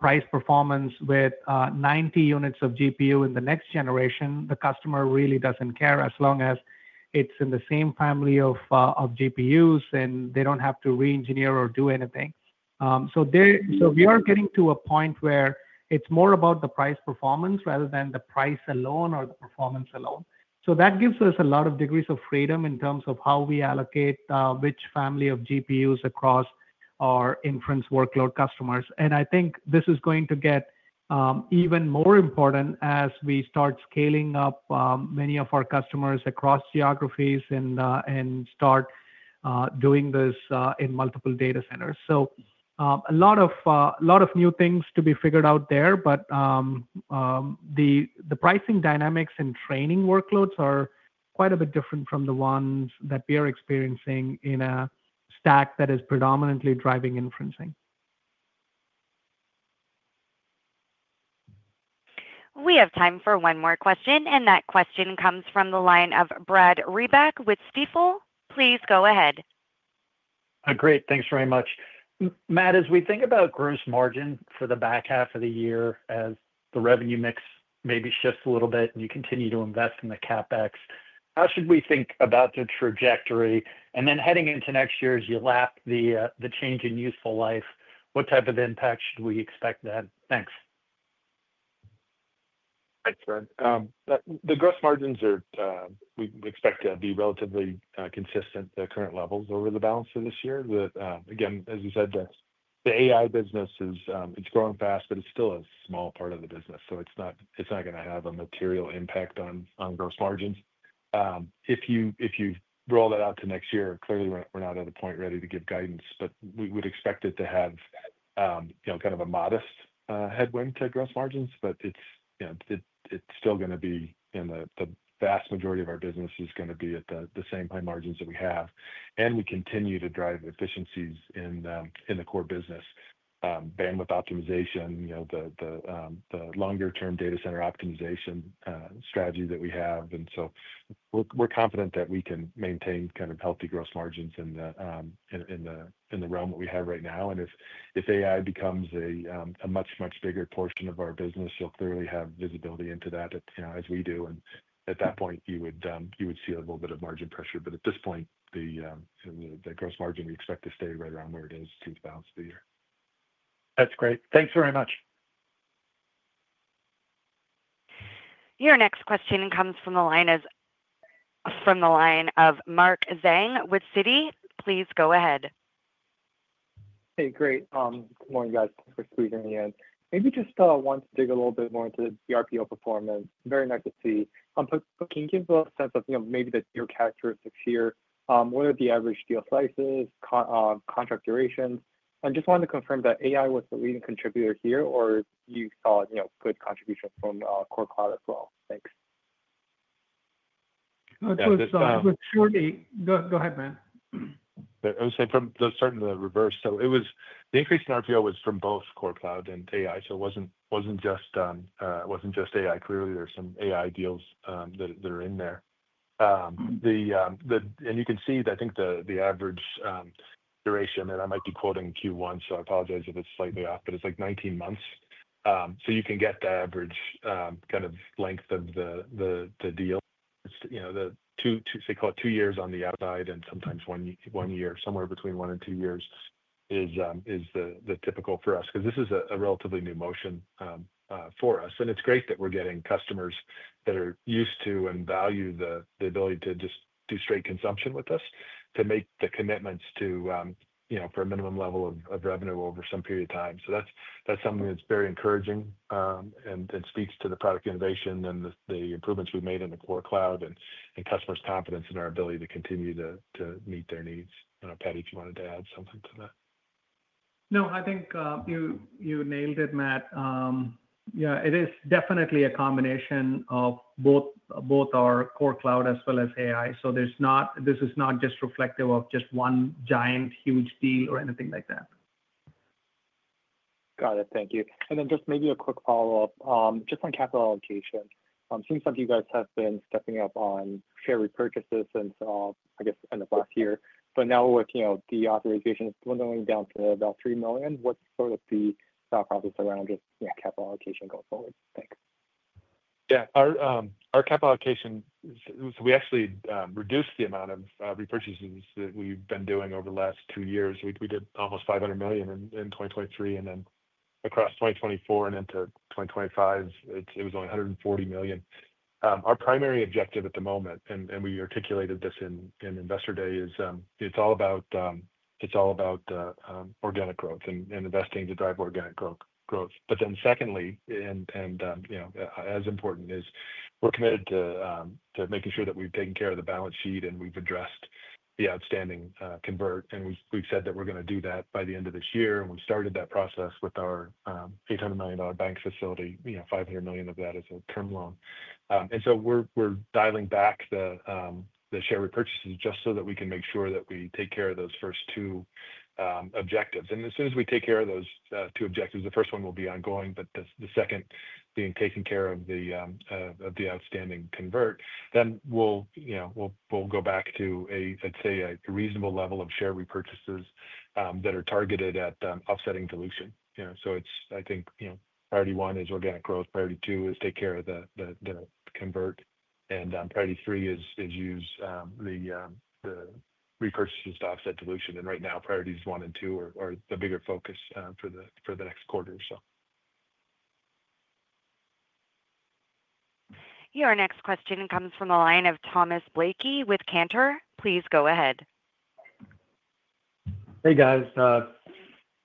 price performance with 90 units of GPU in the next generation, the customer really doesn't care as long as it's in the same family of GPUs and they don't have to re-engineer or do anything. We are getting to a point where it's more about the price performance rather than the price alone or the performance alone. That gives us a lot of degrees of freedom in terms of how we allocate which family of GPUs across our inference workload customers. I think this is going to get even more important as we start scaling up many of our customers across geographies and start doing this in multiple data centers. A lot of new things to be figured out there, but the pricing dynamics and training workloads are quite a bit different from the ones that we are experiencing in a stack that is predominantly driving inferencing. We have time for one more question, and that question comes from the line of Brad Reback with Stifel. Please go ahead. Great. Thanks very much. Matt, as we think about gross margin for the back half of the year as the revenue mix maybe shifts a little bit and you continue to invest in the CapEx, how should we think about the trajectory? Heading into next year, as you lap the change in useful life, what type of impact should we expect then? Thanks. Thanks, Brad. The gross margins are, we expect to be relatively consistent to current levels over the balance of this year. Again, as you said, the AI business is growing fast, but it's still a small part of the business. It's not going to have a material impact on gross margins. If you roll that out to next year, clearly we're not at the point ready to give guidance, but we would expect it to have kind of a modest headwind to gross margins. It's still going to be in the vast majority of our business is going to be at the same high margins that we have. We continue to drive efficiencies in the core business, bandwidth optimization, the longer-term data center optimization strategy that we have. We're confident that we can maintain kind of healthy gross margins in the realm that we have right now. If AI becomes a much, much bigger portion of our business, you'll clearly have visibility into that as we do. At that point, you would see a little bit of margin pressure. At this point, the gross margin we expect to stay right around where it is through the balance of the year. That's great. Thanks very much. Your next question comes from the line of Mark Zhang with Citigroup. Please go ahead. Hey, great. Good morning, guys. Great to be here in the end. Maybe just want to dig a little bit more into the RPO performance. Very nice to see. Can you give us a sense of maybe the deal characteristics here? What are the average deal sizes, contract durations? I just wanted to confirm that AI was the leading contributor here, or you saw good contributions from Core Cloud as well? Thanks. Go ahead, Matt. I was saying from the start in the reverse. The increase in RPO was from both Core Cloud and AI. It wasn't just AI. Clearly, there's some AI deals that are in there. You can see that I think the average duration, and I might be quoting Q1, so I apologize if it's slightly off, but it's like 19 months. You can get the average kind of length of the deal. The two, say, call it two years on the outside and sometimes one year, somewhere between one and two years is the typical for us because this is a relatively new motion for us. It's great that we're getting customers that are used to. Value The ability to just do straight consumption with us, to make the commitments to, you know, for a minimum level of revenue over some period of time, is something that's very encouraging and speaks to the product innovation and the improvements we've made in the core cloud and customers' confidence in our ability to continue to meet their needs. Paddy, if you wanted to add something to that. No, I think you nailed it, Matt. Yeah, it is definitely a combination of both our core cloud as well as AI. This is not just reflective of just one giant huge deal or anything like that. Got it. Thank you. Maybe a quick follow-up just on capital allocation. It seems like you guys have been stepping up on share repurchases since, I guess, the end of last year. Now we're working out the authorization is dwindling down to about $3 million. What's sort of the stock opposite around just, you know, capital allocation going forward? Thanks. Yeah, our capital allocation, we actually reduced the amount of repurchases that we've been doing over the last two years. We did almost $500 million in 2023, and then across 2024 and into 2025, it was only $140 million. Our primary objective at the moment, and we articulated this in Investor Day, is it's all about organic growth and investing to drive organic growth. Secondly, and as important, we're committed to making sure that we've taken care of the balance sheet and we've addressed the outstanding convertible debt. We've said that we're going to do that by the end of this year. We started that process with our $800 million bank facility, $500 million of that as a term loan. We're dialing back the share repurchases just so that we can make sure that we take care of those first two objectives. As soon as we take care of those two objectives, the first one will be ongoing, but the second being taking care of the outstanding convertible debt, we'll go back to a, I'd say, a reasonable level of share repurchases that are targeted at offsetting dilution. I think priority one is organic growth. Priority two is take care of the convertible debt. Priority three is use the repurchases to offset dilution. Right now, priorities one and two are the bigger focus for the next quarter. Your next question comes from a line of Thomas Blakey with Cantor. Please go ahead. Hey guys,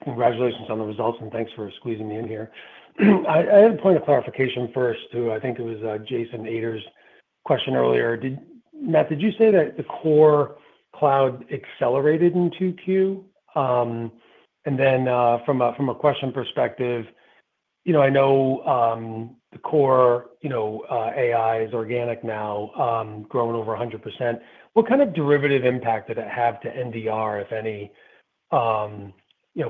congratulations on the results and thanks for squeezing me in here. I had a point of clarification first to, I think it was Jason Ader's question earlier. Matt, did you say that the core cloud accelerated in 2Q? From a question perspective, I know the core, you know, AI is organic now, growing over 100%. What kind of derivative impact did that have to NDR, if any,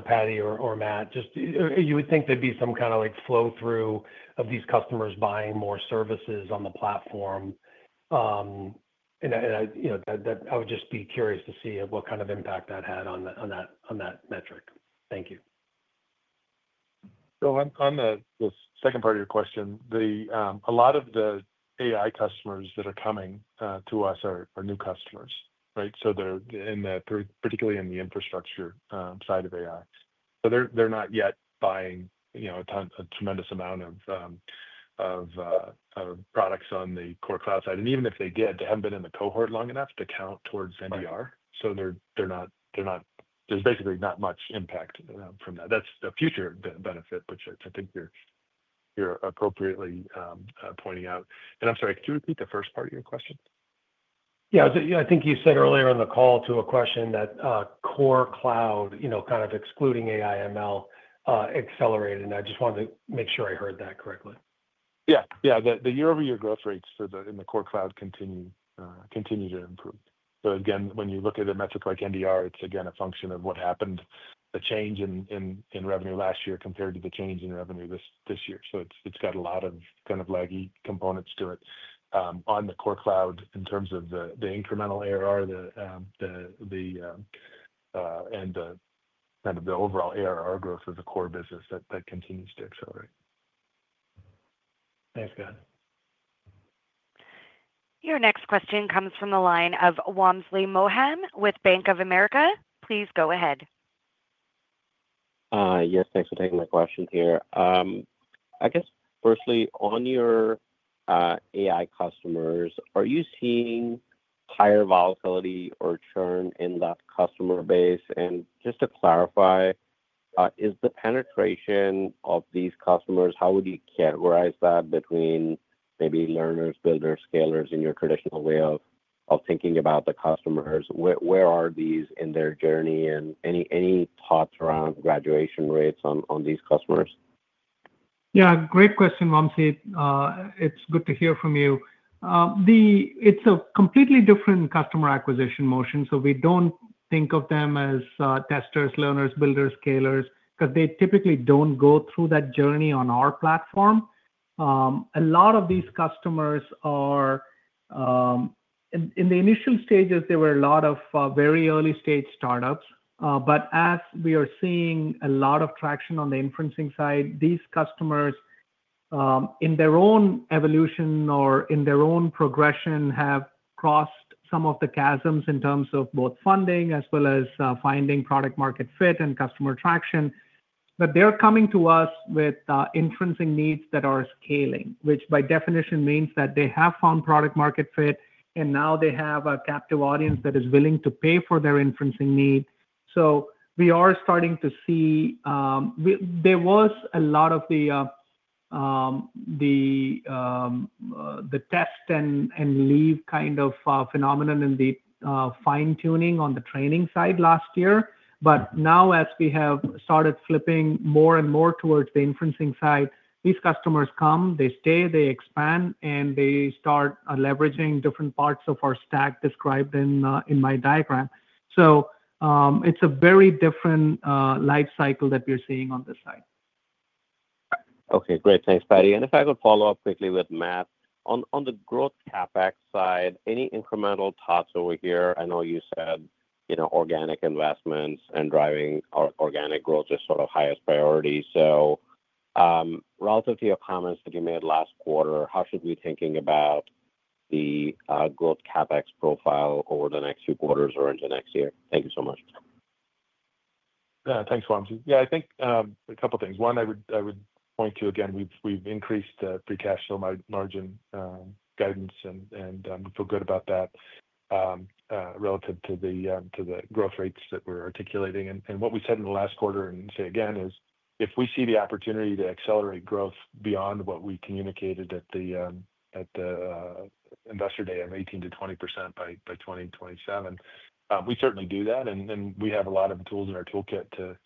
Paddy or Matt? You would think there'd be some kind of flow-through of these customers buying more services on the platform. I would just be curious to see what kind of impact that had on that metric. Thank you. On the second part of your question, a lot of the AI customers that are coming to us are new customers, right? They're in that, particularly in the infrastructure side of AI. They're not yet buying, you know, a tremendous amount of products on the core cloud side. Even if they did, they haven't been in the cohort long enough to count towards NDR. There's basically not much impact from that. That's the future benefit, which I think you're appropriately pointing out. I'm sorry, could you repeat the first part of your question? Yeah, I think you said earlier on the call to a question that core cloud, you know, kind of excluding AI/ML, accelerated. I just wanted to make sure I heard that correctly. Yeah, the year-over-year growth rates in the core cloud continue to improve. When you look at a metric like NDR, it's a function of what happened, the change in revenue last year compared to the change in revenue this year. It's got a lot of kind of laggy components to it. On the core cloud, in terms of the incremental ARR and the overall ARR growth of the core business, that continues to accelerate. That's good. Your next question comes from a line of Wamsley Mohan with Bank of America. Please go ahead. Yeah, thanks for taking my question here. Firstly, on your AI customers, are you seeing higher volatility or churn in that customer base? Just to clarify, is the penetration of these customers, how would you categorize that between maybe learners, builders, scalers in your traditional way of thinking about the customers? Where are these in their journey? Any thoughts around graduation rates on these customers? Yeah, great question, Wamsley. It's good to hear from you. It's a completely different customer acquisition motion. We don't think of them as testers, learners, builders, scalers, because they typically don't go through that journey on our platform. A lot of these customers are, in the initial stages, there were a lot of very early-stage startups. As we are seeing a lot of traction on the inferencing side, these customers, in their own evolution or in their own progression, have crossed some of the chasms in terms of both funding as well as finding product-market fit and customer traction. They're coming to us with inferencing needs that are scaling, which by definition means that they have found product-market fit, and now they have a captive audience that is willing to pay for their inferencing need. We are starting to see, there was a lot of the test and leave kind of phenomenon and the fine-tuning on the training side last year. Now, as we have started flipping more and more towards the inferencing side, these customers come, they stay, they expand, and they start leveraging different parts of our stack described in my diagram. It's a very different lifecycle that we're seeing on this side. Okay, great. Thanks, Paddy. If I could follow up quickly with Matt on the growth CapEx side, any incremental thoughts over here? I know you said organic investments and driving organic growth are sort of highest priorities. Relative to your comments that you made last quarter, how should we be thinking about the growth CapEx profile over the next few quarters or into next year? Thank you so much. Yeah, thanks, Wamsley. I think a couple of things. One, I would point to, again, we've increased the free cash flow margin guidance, and we feel good about that relative to the growth rates that we're articulating. What we said in the last quarter, and say again, is if we see the opportunity to accelerate growth beyond what we communicated at the Investor Day of 18%-20% by 2027, we certainly do that. We have a lot of tools in our toolkit to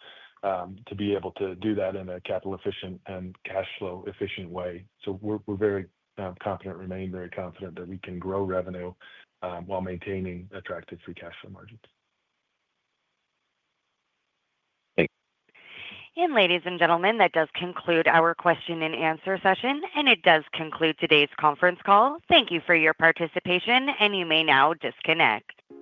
be able to do that in a capital-efficient and cash-flow-efficient way. We're very confident, remain very confident that we can grow revenue while maintaining attractive free cash flow margins. Ladies and gentlemen, that does conclude our question and answer session, and it does conclude today's conference call. Thank you for your participation, and you may now disconnect.